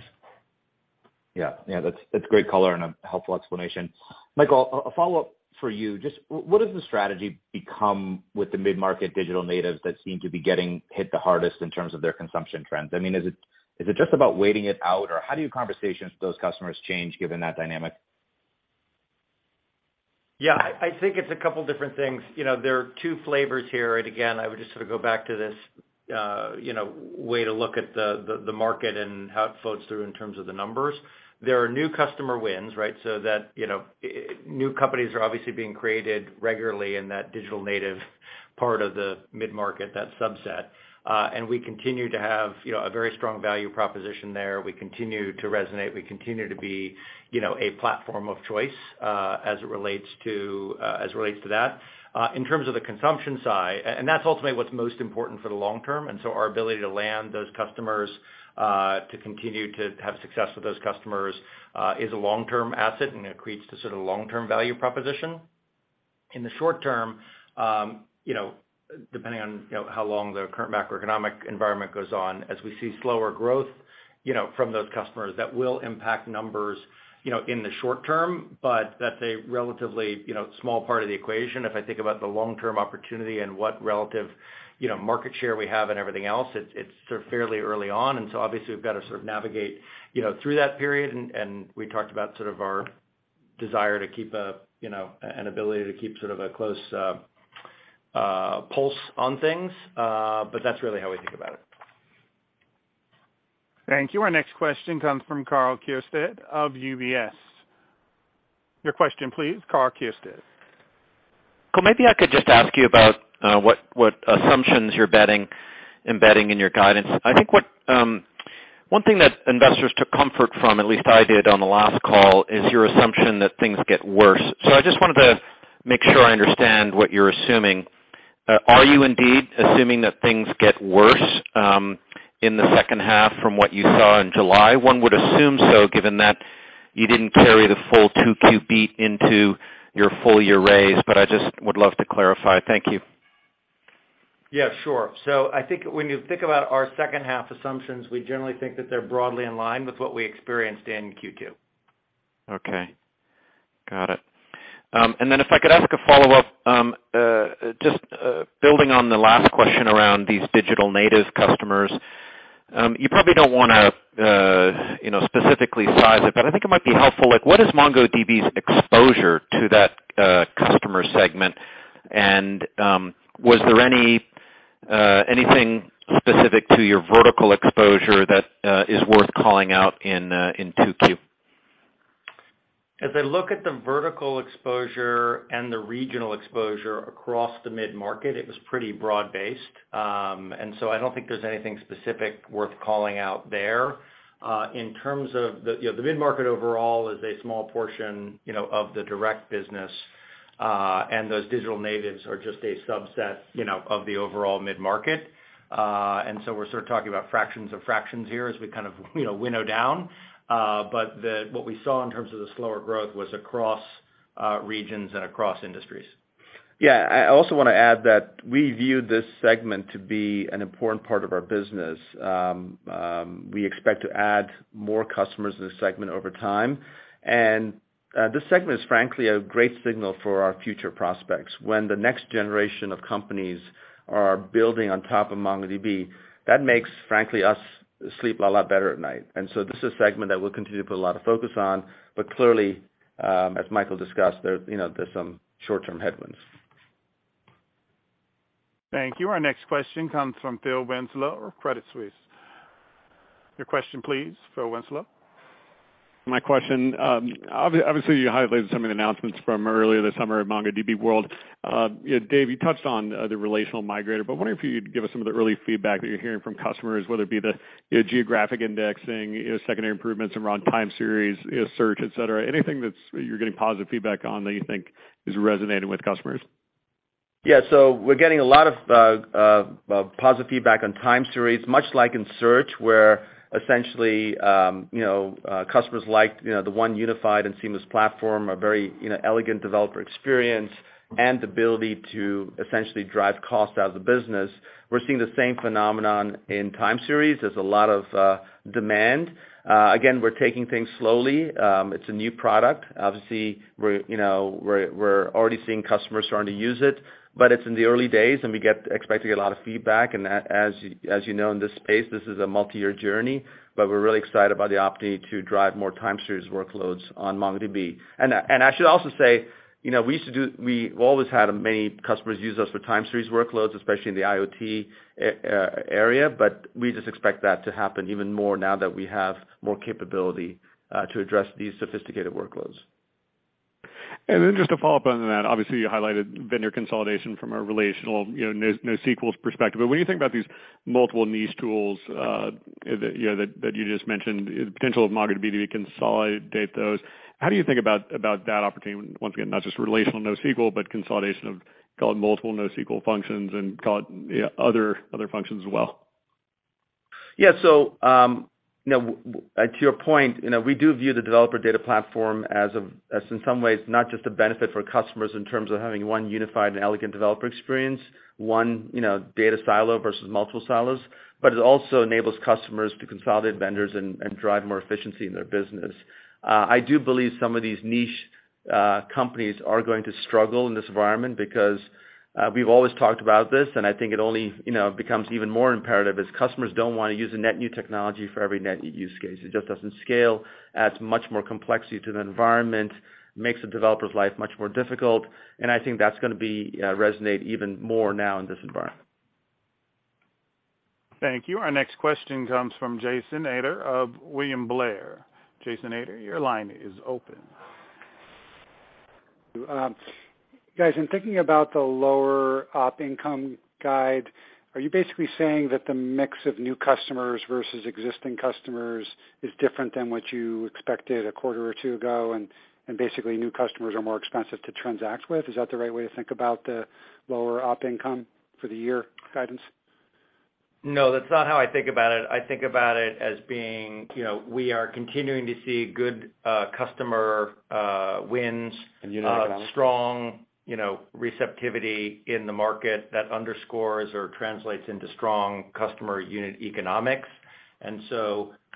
Yeah. Yeah, that's great color and a helpful explanation. Michael, a follow-up for you. Just what does the strategy become with the mid-market digital natives that seem to be getting hit the hardest in terms of their consumption trends? I mean, is it just about waiting it out, or how do your conversations with those customers change given that dynamic? Yeah. I think it's a couple different things. You know, there are two flavors here, and again, I would just sort of go back to this way to look at the market and how it floats through in terms of the numbers. There are new customer wins, right? That, you know, new companies are obviously being created regularly in that digital native part of the mid-market, that subset. We continue to have, you know, a very strong value proposition there. We continue to resonate. We continue to be, you know, a platform of choice, as it relates to that. In terms of the consumption side, and that's ultimately what's most important for the long term, and so our ability to land those customers, to continue to have success with those customers, is a long-term asset, and it creates the sort of long-term value proposition. In the short term, you know, depending on, you know, how long the current macroeconomic environment goes on, as we see slower growth, you know, from those customers, that will impact numbers, you know, in the short term, but that's a relatively, you know, small part of the equation. If I think about the long-term opportunity and what relative, you know, market share we have and everything else, it's sort of fairly early on. Obviously we've got to sort of navigate, you know, through that period and we talked about sort of our desire to keep, you know, an ability to keep sort of a close pulse on things, but that's really how we think about it. Thank you. Our next question comes from Karl Keirstead of UBS. Your question please, Karl Keirstead. Maybe I could just ask you about what assumptions you're embedding in your guidance. I think one thing that investors took comfort from, at least I did on the last call, is your assumption that things get worse. I just wanted to make sure I understand what you're assuming. Are you indeed assuming that things get worse in the second half from what you saw in July? One would assume so, given that you didn't carry the full 2Q beat into your full year raise, but I just would love to clarify. Thank you. Yeah, sure. I think when you think about our second half assumptions, we generally think that they're broadly in line with what we experienced in Q2. Okay. Got it. If I could ask a follow-up, just building on the last question around these digital native customers. You probably don't wanna, you know, specifically size it, but I think it might be helpful. Like what is MongoDB's exposure to that customer segment? Was there anything specific to your vertical exposure that is worth calling out in 2Q? As I look at the vertical exposure and the regional exposure across the mid-market, it was pretty broad-based. I don't think there's anything specific worth calling out there. In terms of the, you know, the mid-market overall is a small portion, you know, of the direct business, and those digital natives are just a subset, you know, of the overall mid-market. We're sort of talking about fractions of fractions here as we kind of, you know, winnow down. What we saw in terms of the slower growth was across regions and across industries. Yeah. I also wanna add that we view this segment to be an important part of our business. We expect to add more customers in this segment over time. This segment is frankly a great signal for our future prospects. When the next generation of companies are building on top of MongoDB, that makes, frankly, us sleep a lot better at night. This is a segment that we'll continue to put a lot of focus on. Clearly, as Michael discussed, you know, there's some short-term headwinds. Thank you. Our next question comes from Phil Winslow of Credit Suisse. Your question please, Phil Winslow. My question, obviously, you highlighted some of the announcements from earlier this summer at MongoDB World. Dev, you touched on the Relational Migrator, but wondering if you'd give us some of the early feedback that you're hearing from customers, whether it be the, you know, geographic indexing, you know, secondary improvements around time series, you know, search, et cetera. Anything that's you're getting positive feedback on that you think is resonating with customers. Yeah, we're getting a lot of positive feedback on time series, much like in search, where essentially, you know, customers liked, you know, the one unified and seamless platform, a very, you know, elegant developer experience and the ability to essentially drive cost out of the business. We're seeing the same phenomenon in time series. There's a lot of demand. Again, we're taking things slowly. It's a new product. Obviously, you know, we're already seeing customers starting to use it, but it's in the early days, and we expect to get a lot of feedback. As you know, in this space, this is a multi-year journey, but we're really excited about the opportunity to drive more time series workloads on MongoDB. I should also say, you know, we've always had many customers use us for time series workloads, especially in the IoT area, but we just expect that to happen even more now that we have more capability to address these sophisticated workloads. Just to follow up on that, obviously you highlighted vendor consolidation from a relational, you know, NoSQL's perspective. But when you think about these multiple niche tools, you know, that you just mentioned, the potential of MongoDB to consolidate those, how do you think about that opportunity, once again, not just relational NoSQL, but consolidation of, call it multiple NoSQL functions and call it, you know, other functions as well? Yeah. To your point, you know, we do view the developer data platform as in some ways, not just a benefit for customers in terms of having one unified and elegant developer experience, one, you know, data silo versus multiple silos, but it also enables customers to consolidate vendors and drive more efficiency in their business. I do believe some of these niche companies are going to struggle in this environment because we've always talked about this, and I think it only becomes even more imperative as customers don't wanna use a net new technology for every net new use case. It just doesn't scale, adds much more complexity to the environment, makes the developer's life much more difficult, and I think that's gonna resonate even more now in this environment. Thank you. Our next question comes from Jason Ader of William Blair. Jason Ader, your line is open. Guys, in thinking about the lower op income guide, are you basically saying that the mix of new customers versus existing customers is different than what you expected a quarter or two ago, and basically new customers are more expensive to transact with? Is that the right way to think about the lower op income for the year guidance? No, that's not how I think about it. I think about it as being, you know, we are continuing to see good customer wins. Unit economics. Strong, you know, receptivity in the market that underscores or translates into strong customer unit economics.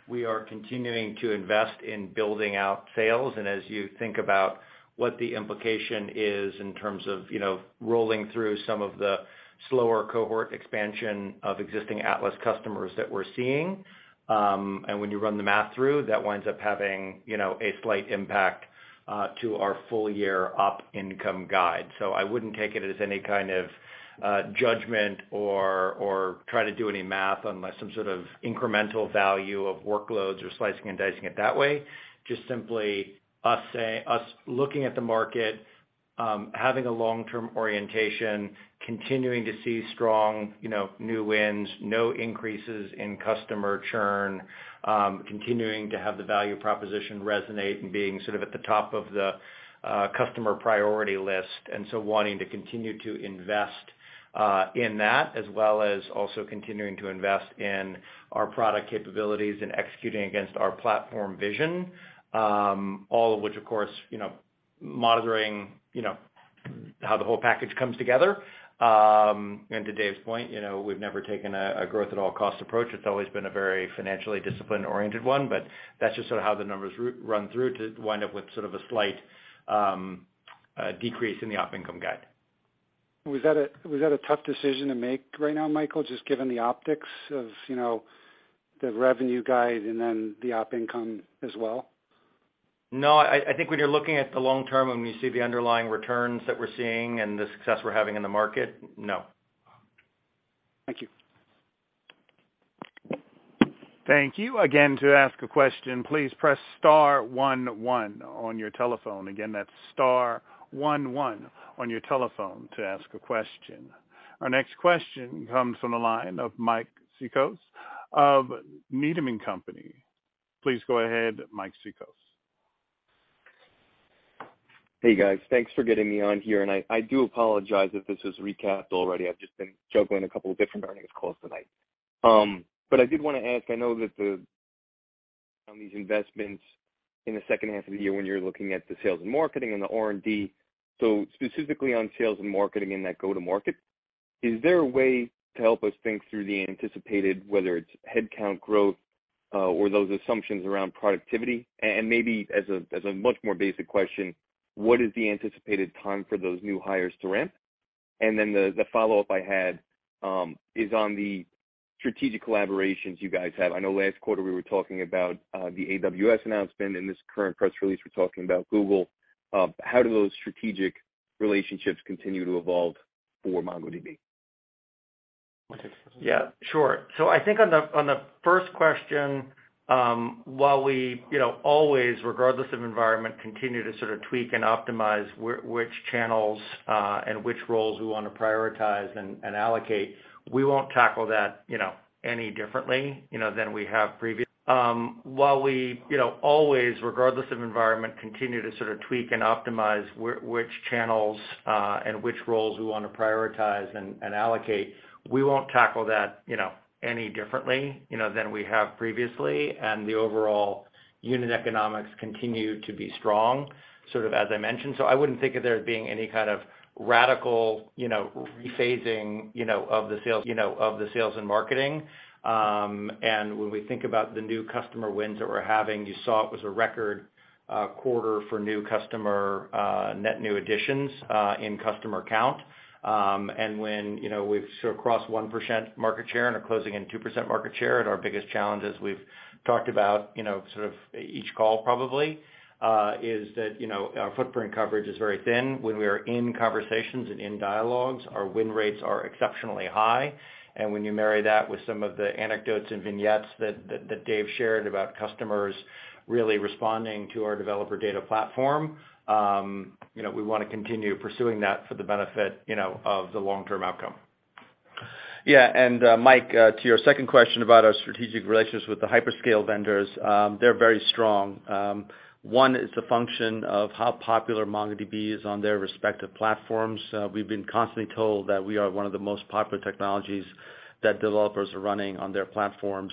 We are continuing to invest in building out sales. As you think about what the implication is in terms of, you know, rolling through some of the slower cohort expansion of existing Atlas customers that we're seeing, and when you run the math through, that winds up having, you know, a slight impact to our full year op income guide. I wouldn't take it as any kind of judgment or try to do any math unless some sort of incremental value of workloads or slicing and dicing it that way. Just simply looking at the market, having a long-term orientation, continuing to see strong, you know, new wins, no increases in customer churn, continuing to have the value proposition resonate and being sort of at the top of the customer priority list, wanting to continue to invest in that, as well as continuing to invest in our product capabilities and executing against our platform vision. All of which, of course, you know, monitoring how the whole package comes together. To Dev's point, you know, we've never taken a growth at all costs approach. It's always been a very financially disciplined one, but that's just sort of how the numbers run through to wind up with sort of a slight decrease in the operating income guide. Was that a tough decision to make right now, Michael, just given the optics of, you know, the revenue guide and then the op income as well? No. I think when you're looking at the long term and when you see the underlying returns that we're seeing and the success we're having in the market, no. Thank you. Thank you. Again, to ask a question, please press star one one on your telephone. Again, that's star one one on your telephone to ask a question. Our next question comes from the line of Mike Cikos of Needham & Company. Please go ahead, Mike Cikos. Hey, guys. Thanks for getting me on here. I do apologize if this is recapped already. I've just been juggling a couple of different earnings calls tonight. I did wanna ask. I know that the, on these investments in the second half of the year when you're looking at the sales and marketing and the R&D. Specifically on sales and marketing and that go-to-market, is there a way to help us think through the anticipated, whether it's headcount growth, or those assumptions around productivity? And maybe as a much more basic question, what is the anticipated time for those new hires to ramp? The follow-up I had is on the strategic collaborations you guys have. I know last quarter we were talking about the AWS announcement. In this current press release, we're talking about Google. How do those strategic relationships continue to evolve for MongoDB? Want to take this one? Yeah, sure. I think on the first question, while we you know always regardless of environment continue to sort of tweak and optimize which channels and which roles we wanna prioritize and allocate, we won't tackle that you know any differently you know than we have previously. The overall unit economics continue to be strong, sort of as I mentioned. I wouldn't think of there as being any kind of radical you know rephasing you know of the sales and marketing. When we think about the new customer wins that we're having, you saw it was a record quarter for new customer net new additions in customer count. When, you know, we've sort of crossed 1% market share and are closing in 2% market share, and our biggest challenge, as we've talked about, you know, sort of each call probably, is that, you know, our footprint coverage is very thin. When we are in conversations and in dialogues, our win rates are exceptionally high. When you marry that with some of the anecdotes and vignettes that Dev shared about customers really responding to our developer data platform, you know, we wanna continue pursuing that for the benefit, you know, of the long-term outcome. Yeah, Mike, to your second question about our strategic relationships with the hyperscale vendors, they're very strong. One is a function of how popular MongoDB is on their respective platforms. We've been constantly told that we are one of the most popular technologies that developers are running on their platforms.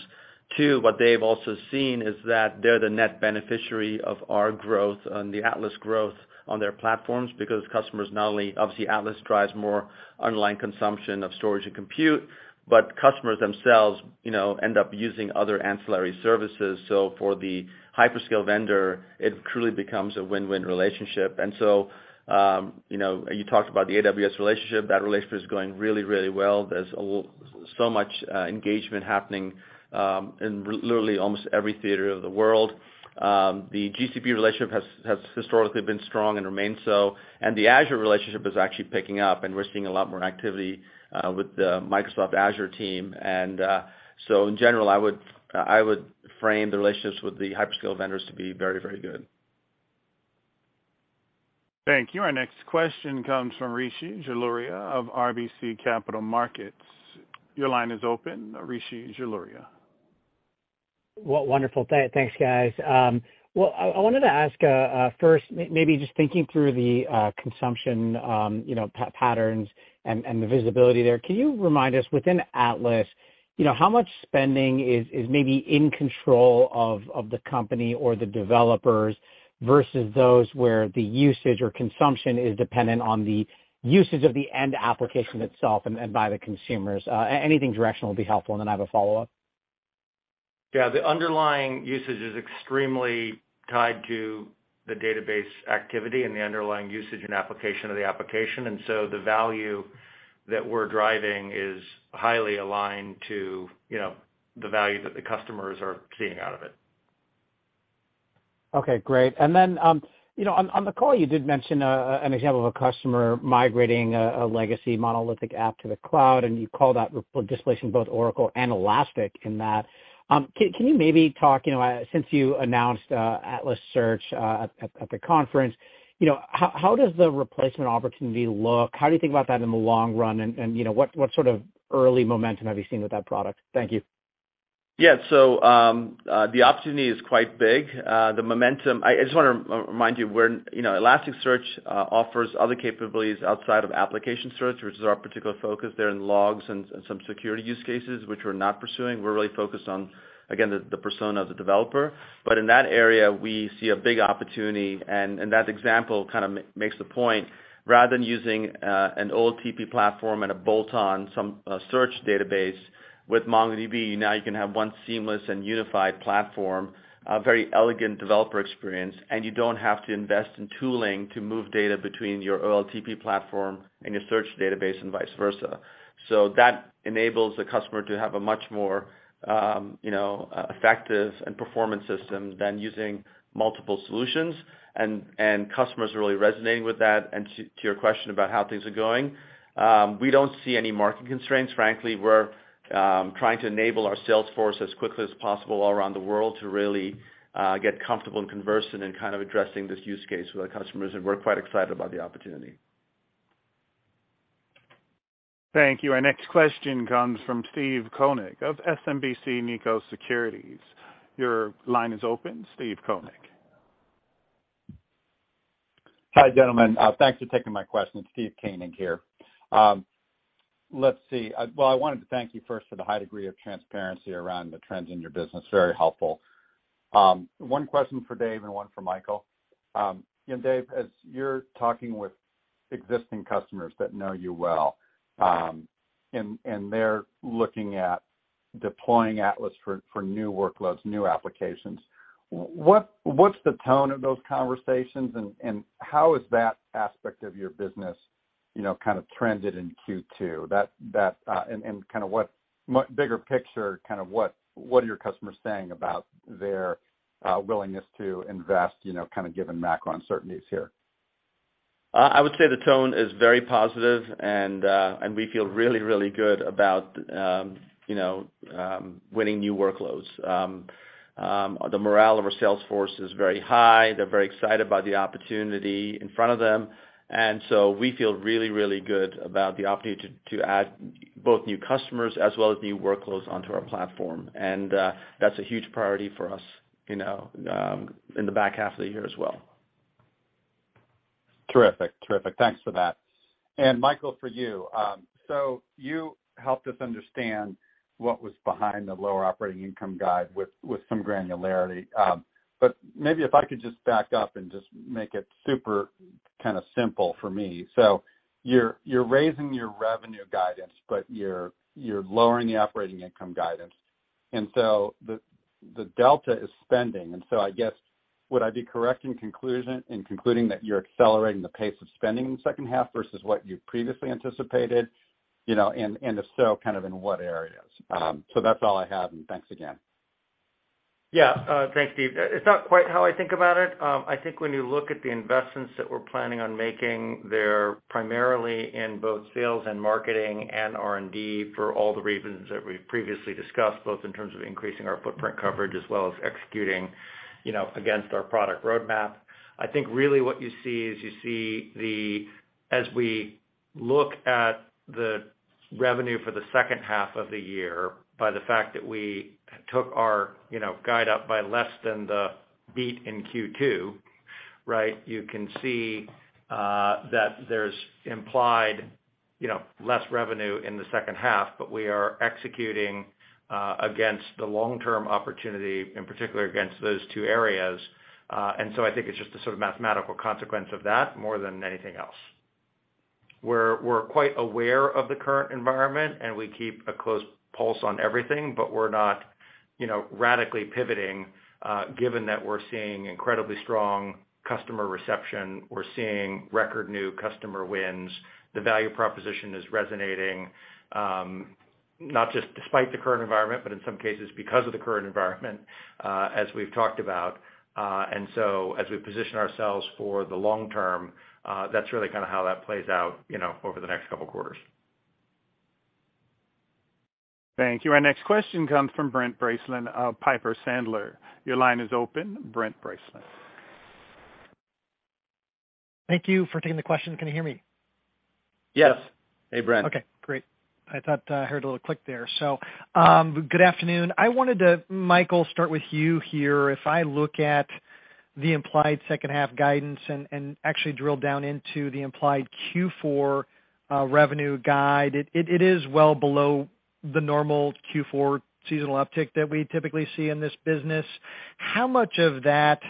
Two, what they've also seen is that they're the net beneficiary of our growth and the Atlas growth on their platforms because customers not only obviously, Atlas drives more online consumption of storage and compute, but customers themselves, you know, end up using other ancillary services. For the hyperscale vendor, it truly becomes a win-win relationship. You know, you talked about the AWS relationship. That relationship is going really, really well. There's so much engagement happening in literally almost every theater of the world. The GCP relationship has historically been strong and remains so, and the Azure relationship is actually picking up, and we're seeing a lot more activity with the Microsoft Azure team. In general, I would frame the relationships with the hyperscale vendors to be very, very good. Thank you. Our next question comes from Rishi Jaluria of RBC Capital Markets. Your line is open, Rishi Jaluria. Well, wonderful. Thanks, guys. Well, I wanted to ask, first, maybe just thinking through the consumption, you know, patterns and the visibility there. Can you remind us, within Atlas, you know, how much spending is maybe in control of the company or the developers versus those where the usage or consumption is dependent on the usage of the end application itself and by the consumers? Anything directional will be helpful, and then I have a follow-up. Yeah. The underlying usage is extremely tied to the database activity and the underlying usage and application of the application. The value that we're driving is highly aligned to, you know, the value that the customers are seeing out of it. Okay, great. You know, on the call, you did mention an example of a customer migrating a legacy monolithic app to the cloud, and you called out replacing both Oracle and Elastic in that. Can you maybe talk, you know, since you announced Atlas Search at the conference, you know, how does the replacement opportunity look? How do you think about that in the long run? You know, what sort of early momentum have you seen with that product? Thank you. The opportunity is quite big. The momentum I just want to remind you, we're you know Elasticsearch offers other capabilities outside of application search, which is our particular focus there in logs and some security use cases which we're not pursuing. We're really focused on again the persona of the developer. In that area, we see a big opportunity and that example kind of makes the point. Rather than using an OLTP platform and a bolt-on some search database, with MongoDB, now you can have one seamless and unified platform, a very elegant developer experience, and you don't have to invest in tooling to move data between your OLTP platform and your search database and vice versa. That enables the customer to have a much more, you know, effective and performant system than using multiple solutions and customers are really resonating with that. To your question about how things are going, we don't see any market constraints. Frankly, we're trying to enable our sales force as quickly as possible all around the world to really get comfortable and conversant in kind of addressing this use case with our customers, and we're quite excited about the opportunity. Thank you. Our next question comes from Steve Koenig of SMBC Nikko Securities. Your line is open, Steve Koenig. Hi, gentlemen. Thanks for taking my question. Steve Koenig here. Let's see. Well, I wanted to thank you first for the high degree of transparency around the trends in your business. Very helpful. One question for Dev and one for Michael. You know, Dev, as you're talking with existing customers that know you well, and they're looking at deploying Atlas for new workloads, new applications, what's the tone of those conversations and how has that aspect of your business, you know, kind of trended in Q2? And kind of, bigger picture, what are your customers saying about their willingness to invest, you know, kind of given macro uncertainties here? I would say the tone is very positive and we feel really, really good about, you know, winning new workloads. The morale of our sales force is very high. They're very excited about the opportunity in front of them. We feel really, really good about the opportunity to add both new customers as well as new workloads onto our platform. That's a huge priority for us, you know, in the back half of the year as well. Terrific. Thanks for that. Michael, for you, so you helped us understand what was behind the lower operating income guide with some granularity. Maybe if I could just back up and just make it super kinda simple for me. You're raising your revenue guidance, but you're lowering the operating income guidance, and the delta is spending. I guess, would I be correct in concluding that you're accelerating the pace of spending in the second half versus what you previously anticipated? You know, and if so, kind of in what areas? That's all I have and thanks again. Yeah. Thanks, Steve. It's not quite how I think about it. I think when you look at the investments that we're planning on making, they're primarily in both sales and marketing and R&D for all the reasons that we've previously discussed, both in terms of increasing our footprint coverage as well as executing, you know, against our product roadmap. I think really what you see is as we look at the revenue for the second half of the year, by the fact that we have Took our, you know, guide up by less than the beat in Q2, right? You can see that there's implied, you know, less revenue in the second half, but we are executing against the long-term opportunity, in particular, against those two areas. I think it's just a sort of mathematical consequence of that more than anything else. We're quite aware of the current environment, and we keep a close pulse on everything, but we're not, you know, radically pivoting, given that we're seeing incredibly strong customer reception. We're seeing record new customer wins. The value proposition is resonating, not just despite the current environment, but in some cases because of the current environment, as we've talked about. As we position ourselves for the long term, that's really kinda how that plays out, you know, over the next couple quarters. Thank you. Our next question comes from Brent Bracelin of Piper Sandler. Your line is open, Brent Bracelin. Thank you for taking the question. Can you hear me? Yes. Hey, Brent. Okay, great. I thought I heard a little click there. Good afternoon. I wanted to, Michael, start with you here. If I look at the implied second half guidance and actually drill down into the implied Q4 revenue guide, it is well below the normal Q4 seasonal uptick that we typically see in this business. How much of that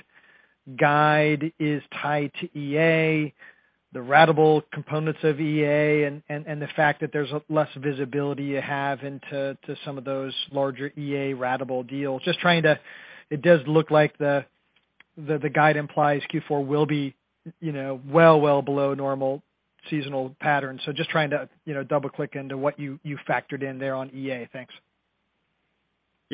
guide is tied to EA, the ratable components of EA, and the fact that there's less visibility you have into some of those larger EA ratable deals? It does look like the guide implies Q4 will be, you know, well below normal seasonal patterns. Just trying to, you know, double-click into what you factored in there on EA. Thanks.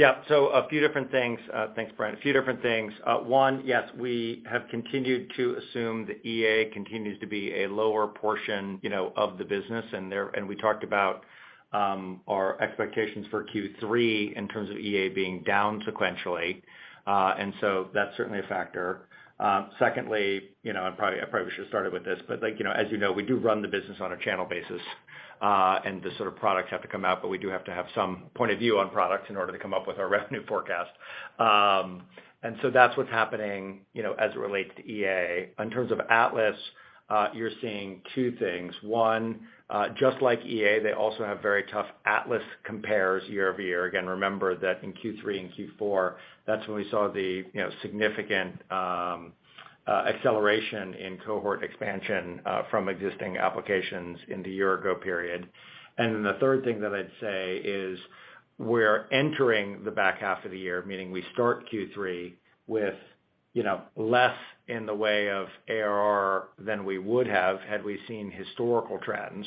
A few different things. Thanks, Brent. A few different things. One, yes, we have continued to assume that EA continues to be a lower portion, you know, of the business. We talked about our expectations for Q3 in terms of EA being down sequentially. That's certainly a factor. Secondly, you know, I probably should have started with this, but like, you know, as you know, we do run the business on a channel basis, and the sort of products have to come out, but we do have to have some point of view on products in order to come up with our revenue forecast. That's what's happening, you know, as it relates to EA. In terms of Atlas, you're seeing two things. One, just like EA, they also have very tough Atlas compares year over year. Again, remember that in Q3 and Q4, that's when we saw the, you know, significant acceleration in cohort expansion from existing applications in the year ago period. The third thing that I'd say is we're entering the back half of the year, meaning we start Q3 with, you know, less in the way of ARR than we would have had we seen historical trends.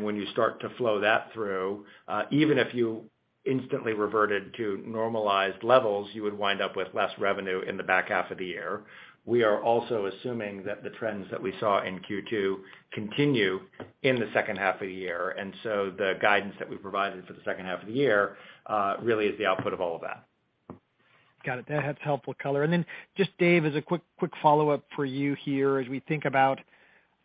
When you start to flow that through, even if you instantly reverted to normalized levels, you would wind up with less revenue in the back half of the year. We are also assuming that the trends that we saw in Q2 continue in the second half of the year. The guidance that we've provided for the second half of the year really is the output of all of that. Got it. That's helpful color. Just, Dev, as a quick follow-up for you here. As we think about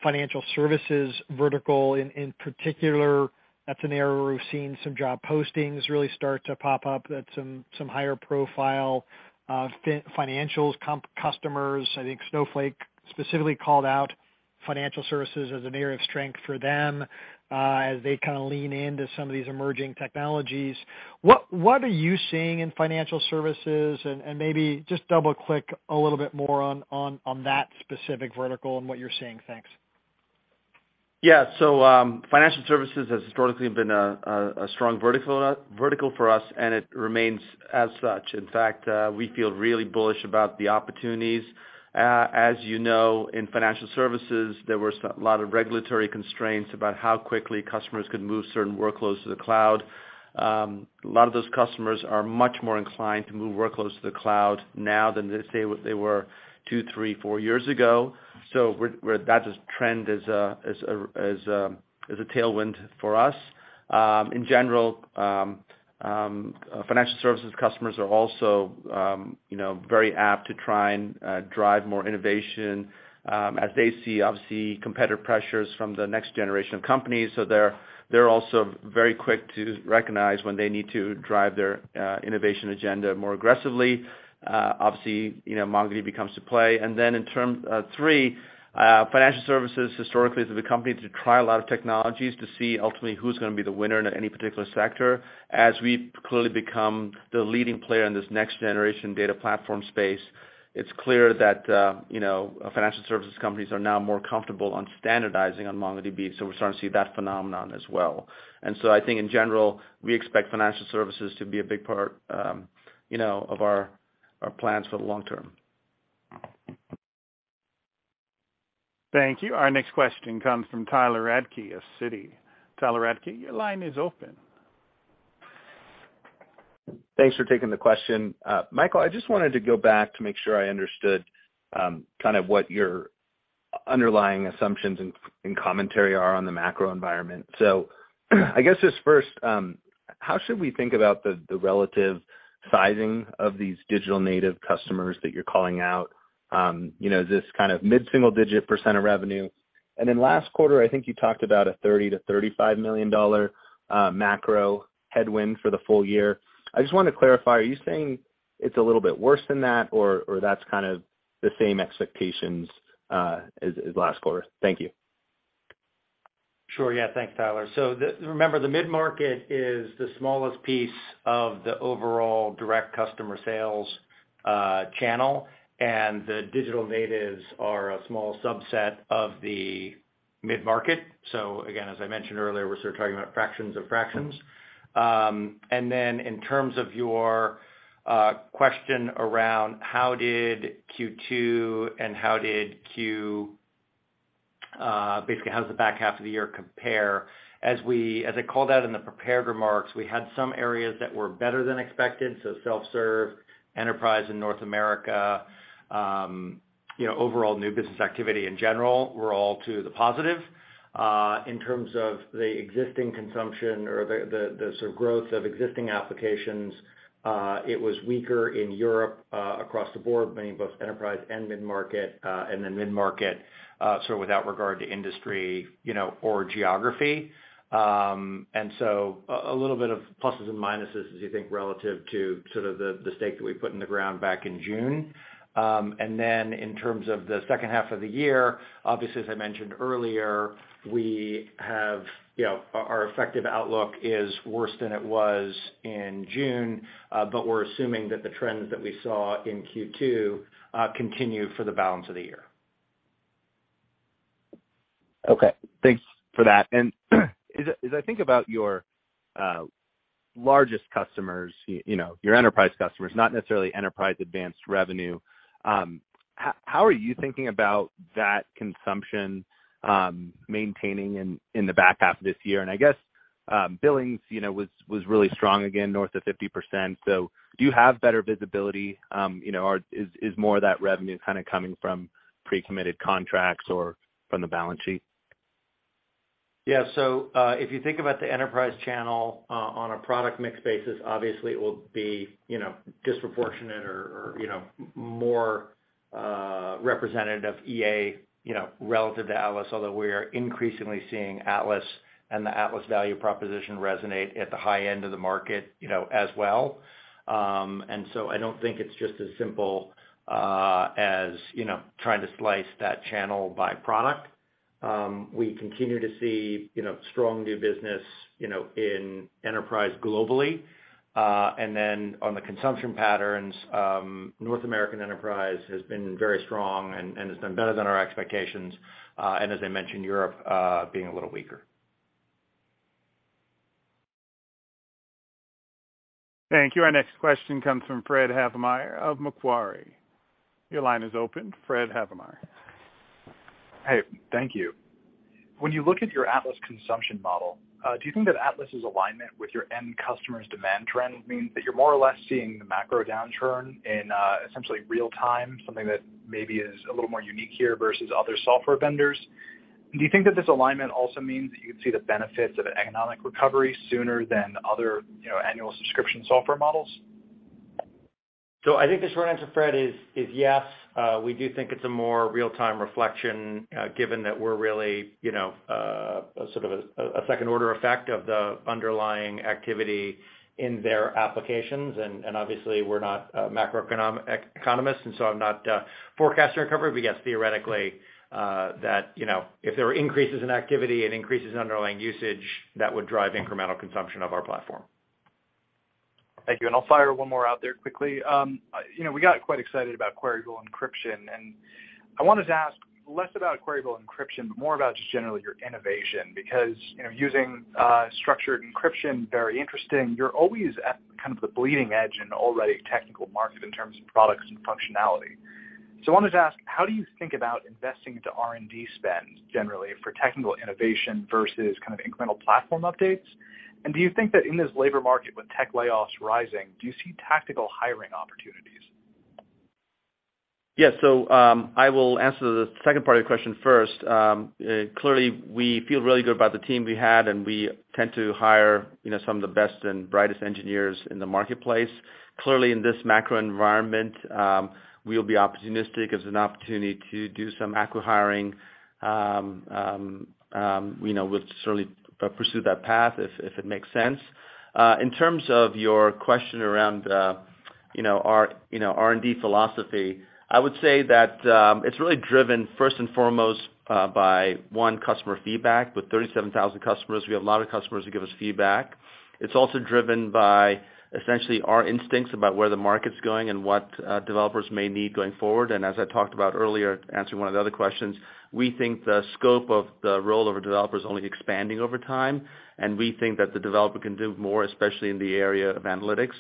financial services vertical in particular, that's an area where we've seen some job postings really start to pop up at some higher profile financial customers. I think Snowflake specifically called out financial services as an area of strength for them, as they kinda lean in to some of these emerging technologies. What are you seeing in financial services? Maybe just double-click a little bit more on that specific vertical and what you're seeing. Thanks. Yeah. Financial services has historically been a strong vertical for us, and it remains as such. In fact, we feel really bullish about the opportunities. As you know, in financial services, there were a lot of regulatory constraints about how quickly customers could move certain workloads to the cloud. A lot of those customers are much more inclined to move workloads to the cloud now than they say they were two, three, four years ago. That trend is a tailwind for us. In general, financial services customers are also, you know, very apt to try and drive more innovation, as they see, obviously, competitor pressures from the next generation of companies. They're also very quick to recognize when they need to drive their innovation agenda more aggressively. Obviously, you know, MongoDB comes into play. Financial services historically is the company to try a lot of technologies to see ultimately who's gonna be the winner in any particular sector. As we clearly become the leading player in this next generation data platform space, it's clear that, you know, financial services companies are now more comfortable on standardizing on MongoDB, so we're starting to see that phenomenon as well. I think in general, we expect financial services to be a big part, you know, of our plans for the long term. Thank you. Our next question comes from Tyler Radke of Citi. Tyler Radke, your line is open. Thanks for taking the question. Michael, I just wanted to go back to make sure I understood, kind of what your underlying assumptions and commentary are on the macro environment. I guess just first, how should we think about the relative sizing of these digital native customers that you're calling out? You know, is this kind of mid-single digit percent of revenue? And then last quarter, I think you talked about a $30 million-$35 million macro headwind for the full year. I just wanna clarify, are you saying it's a little bit worse than that or that's kind of the same expectations, as last quarter? Thank you. Sure. Yeah. Thanks, Tyler. Remember, the mid-market is the smallest piece of the overall direct customer sales channel, and the digital natives are a small subset of the mid-market. Again, as I mentioned earlier, we're sort of talking about fractions of fractions. And then in terms of your question around basically how does the back half of the year compare? As I called out in the prepared remarks, we had some areas that were better than expected, so self-serve, enterprise in North America, you know, overall new business activity in general were all to the positive. In terms of the existing consumption or the sort of growth of existing applications, it was weaker in Europe, across the board, meaning both enterprise and mid-market, and then mid-market sort of without regard to industry, you know, or geography. A little bit of pluses and minuses as you think relative to sort of the stake that we put in the ground back in June. In terms of the second half of the year, obviously as I mentioned earlier, you know, our effective outlook is worse than it was in June, but we're assuming that the trends that we saw in Q2 continue for the balance of the year. Okay. Thanks for that. As I think about your largest customers, you know, your enterprise customers, not necessarily Enterprise Advanced revenue, how are you thinking about that consumption maintaining in the back half of this year? I guess, billings, you know, was really strong again, north of 50%. Do you have better visibility, you know, or is more of that revenue kind of coming from pre-committed contracts or from the balance sheet? Yeah. If you think about the enterprise channel, on a product mix basis, obviously it will be, you know, disproportionate or, you know, more representative EA, you know, relative to Atlas, although we are increasingly seeing Atlas and the Atlas value proposition resonate at the high end of the market, you know, as well. I don't think it's just as simple, as, you know, trying to slice that channel by product. We continue to see, you know, strong new business, you know, in enterprise globally. On the consumption patterns, North American enterprise has been very strong and it's been better than our expectations. As I mentioned, Europe being a little weaker. Thank you. Our next question comes from Fred Havemeyer of Macquarie. Your line is open, Fred Havemeyer. Hey. Thank you. When you look at your Atlas consumption model, do you think that Atlas' alignment with your end customer's demand trends means that you're more or less seeing the macro downturn in essentially real time, something that maybe is a little more unique here versus other software vendors? Do you think that this alignment also means that you could see the benefits of an economic recovery sooner than other, you know, annual subscription software models? I think the short answer, Fred, is yes, we do think it's a more real-time reflection, given that we're really, you know, sort of a second order effect of the underlying activity in their applications. Obviously we're not macroeconomists, and so I'm not forecasting a recovery. Yes, theoretically, that, you know, if there were increases in activity and increases in underlying usage, that would drive incremental consumption of our platform. Thank you. I'll fire one more out there quickly. You know, we got quite excited about Queryable Encryption, and I wanted to ask less about Queryable Encryption, but more about just generally your innovation. Because, you know, using structured encryption, very interesting. You're always at kind of the bleeding edge in an already technical market in terms of products and functionality. I wanted to ask, how do you think about investing into R&D spend generally for technical innovation versus kind of incremental platform updates? Do you think that in this labor market with tech layoffs rising, do you see tactical hiring opportunities? Yeah. I will answer the second part of your question first. Clearly, we feel really good about the team we had, and we tend to hire, you know, some of the best and brightest engineers in the marketplace. Clearly, in this macro environment, we'll be opportunistic. If there's an opportunity to do some acqui-hiring, you know, we'll certainly pursue that path if it makes sense. In terms of your question around, you know, our, you know, R&D philosophy, I would say that it's really driven first and foremost by, one, customer feedback. With 37,000 customers, we have a lot of customers who give us feedback. It's also driven by essentially our instincts about where the market's going and what developers may need going forward. As I talked about earlier, answering one of the other questions, we think the scope of the role of a developer is only expanding over time, and we think that the developer can do more, especially in the area of analytics.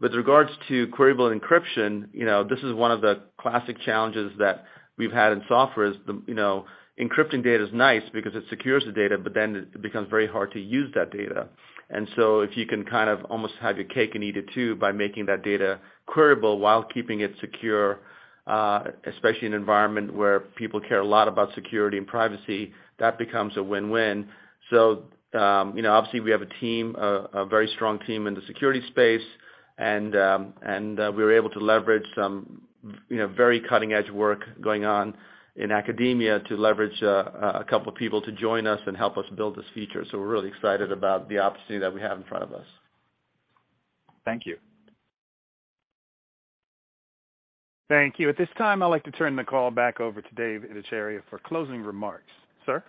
With regards to Queryable Encryption, you know, this is one of the classic challenges that we've had in software is the, you know, encrypting data is nice because it secures the data, but then it becomes very hard to use that data. If you can kind of almost have your cake and eat it too by making that data queryable while keeping it secure, especially in an environment where people care a lot about security and privacy, that becomes a win-win. You know, obviously, we have a team, a very strong team in the security space, and we were able to leverage some, you know, very cutting-edge work going on in academia to leverage a couple of people to join us and help us build this feature. We're really excited about the opportunity that we have in front of us. Thank you. Thank you. At this time, I'd like to turn the call back over to Dev Ittycheria for closing remarks. Sir?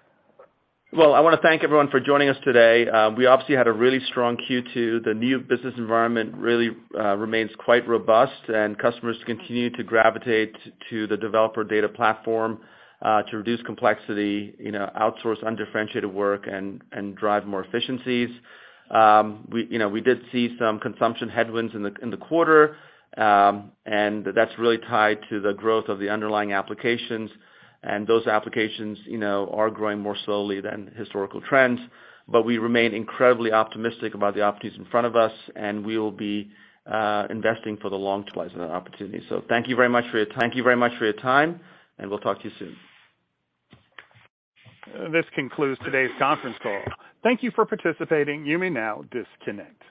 Well, I wanna thank everyone for joining us today. We obviously had a really strong Q2. The new business environment really remains quite robust, and customers continue to gravitate to the developer data platform to reduce complexity, you know, outsource undifferentiated work, and drive more efficiencies. We, you know, did see some consumption headwinds in the quarter, and that's really tied to the growth of the underlying applications. Those applications, you know, are growing more slowly than historical trends. We remain incredibly optimistic about the opportunities in front of us, and we will be investing for the long term as an opportunity. Thank you very much for your time, and we'll talk to you soon. This concludes today's conference call. Thank you for participating. You may now disconnect.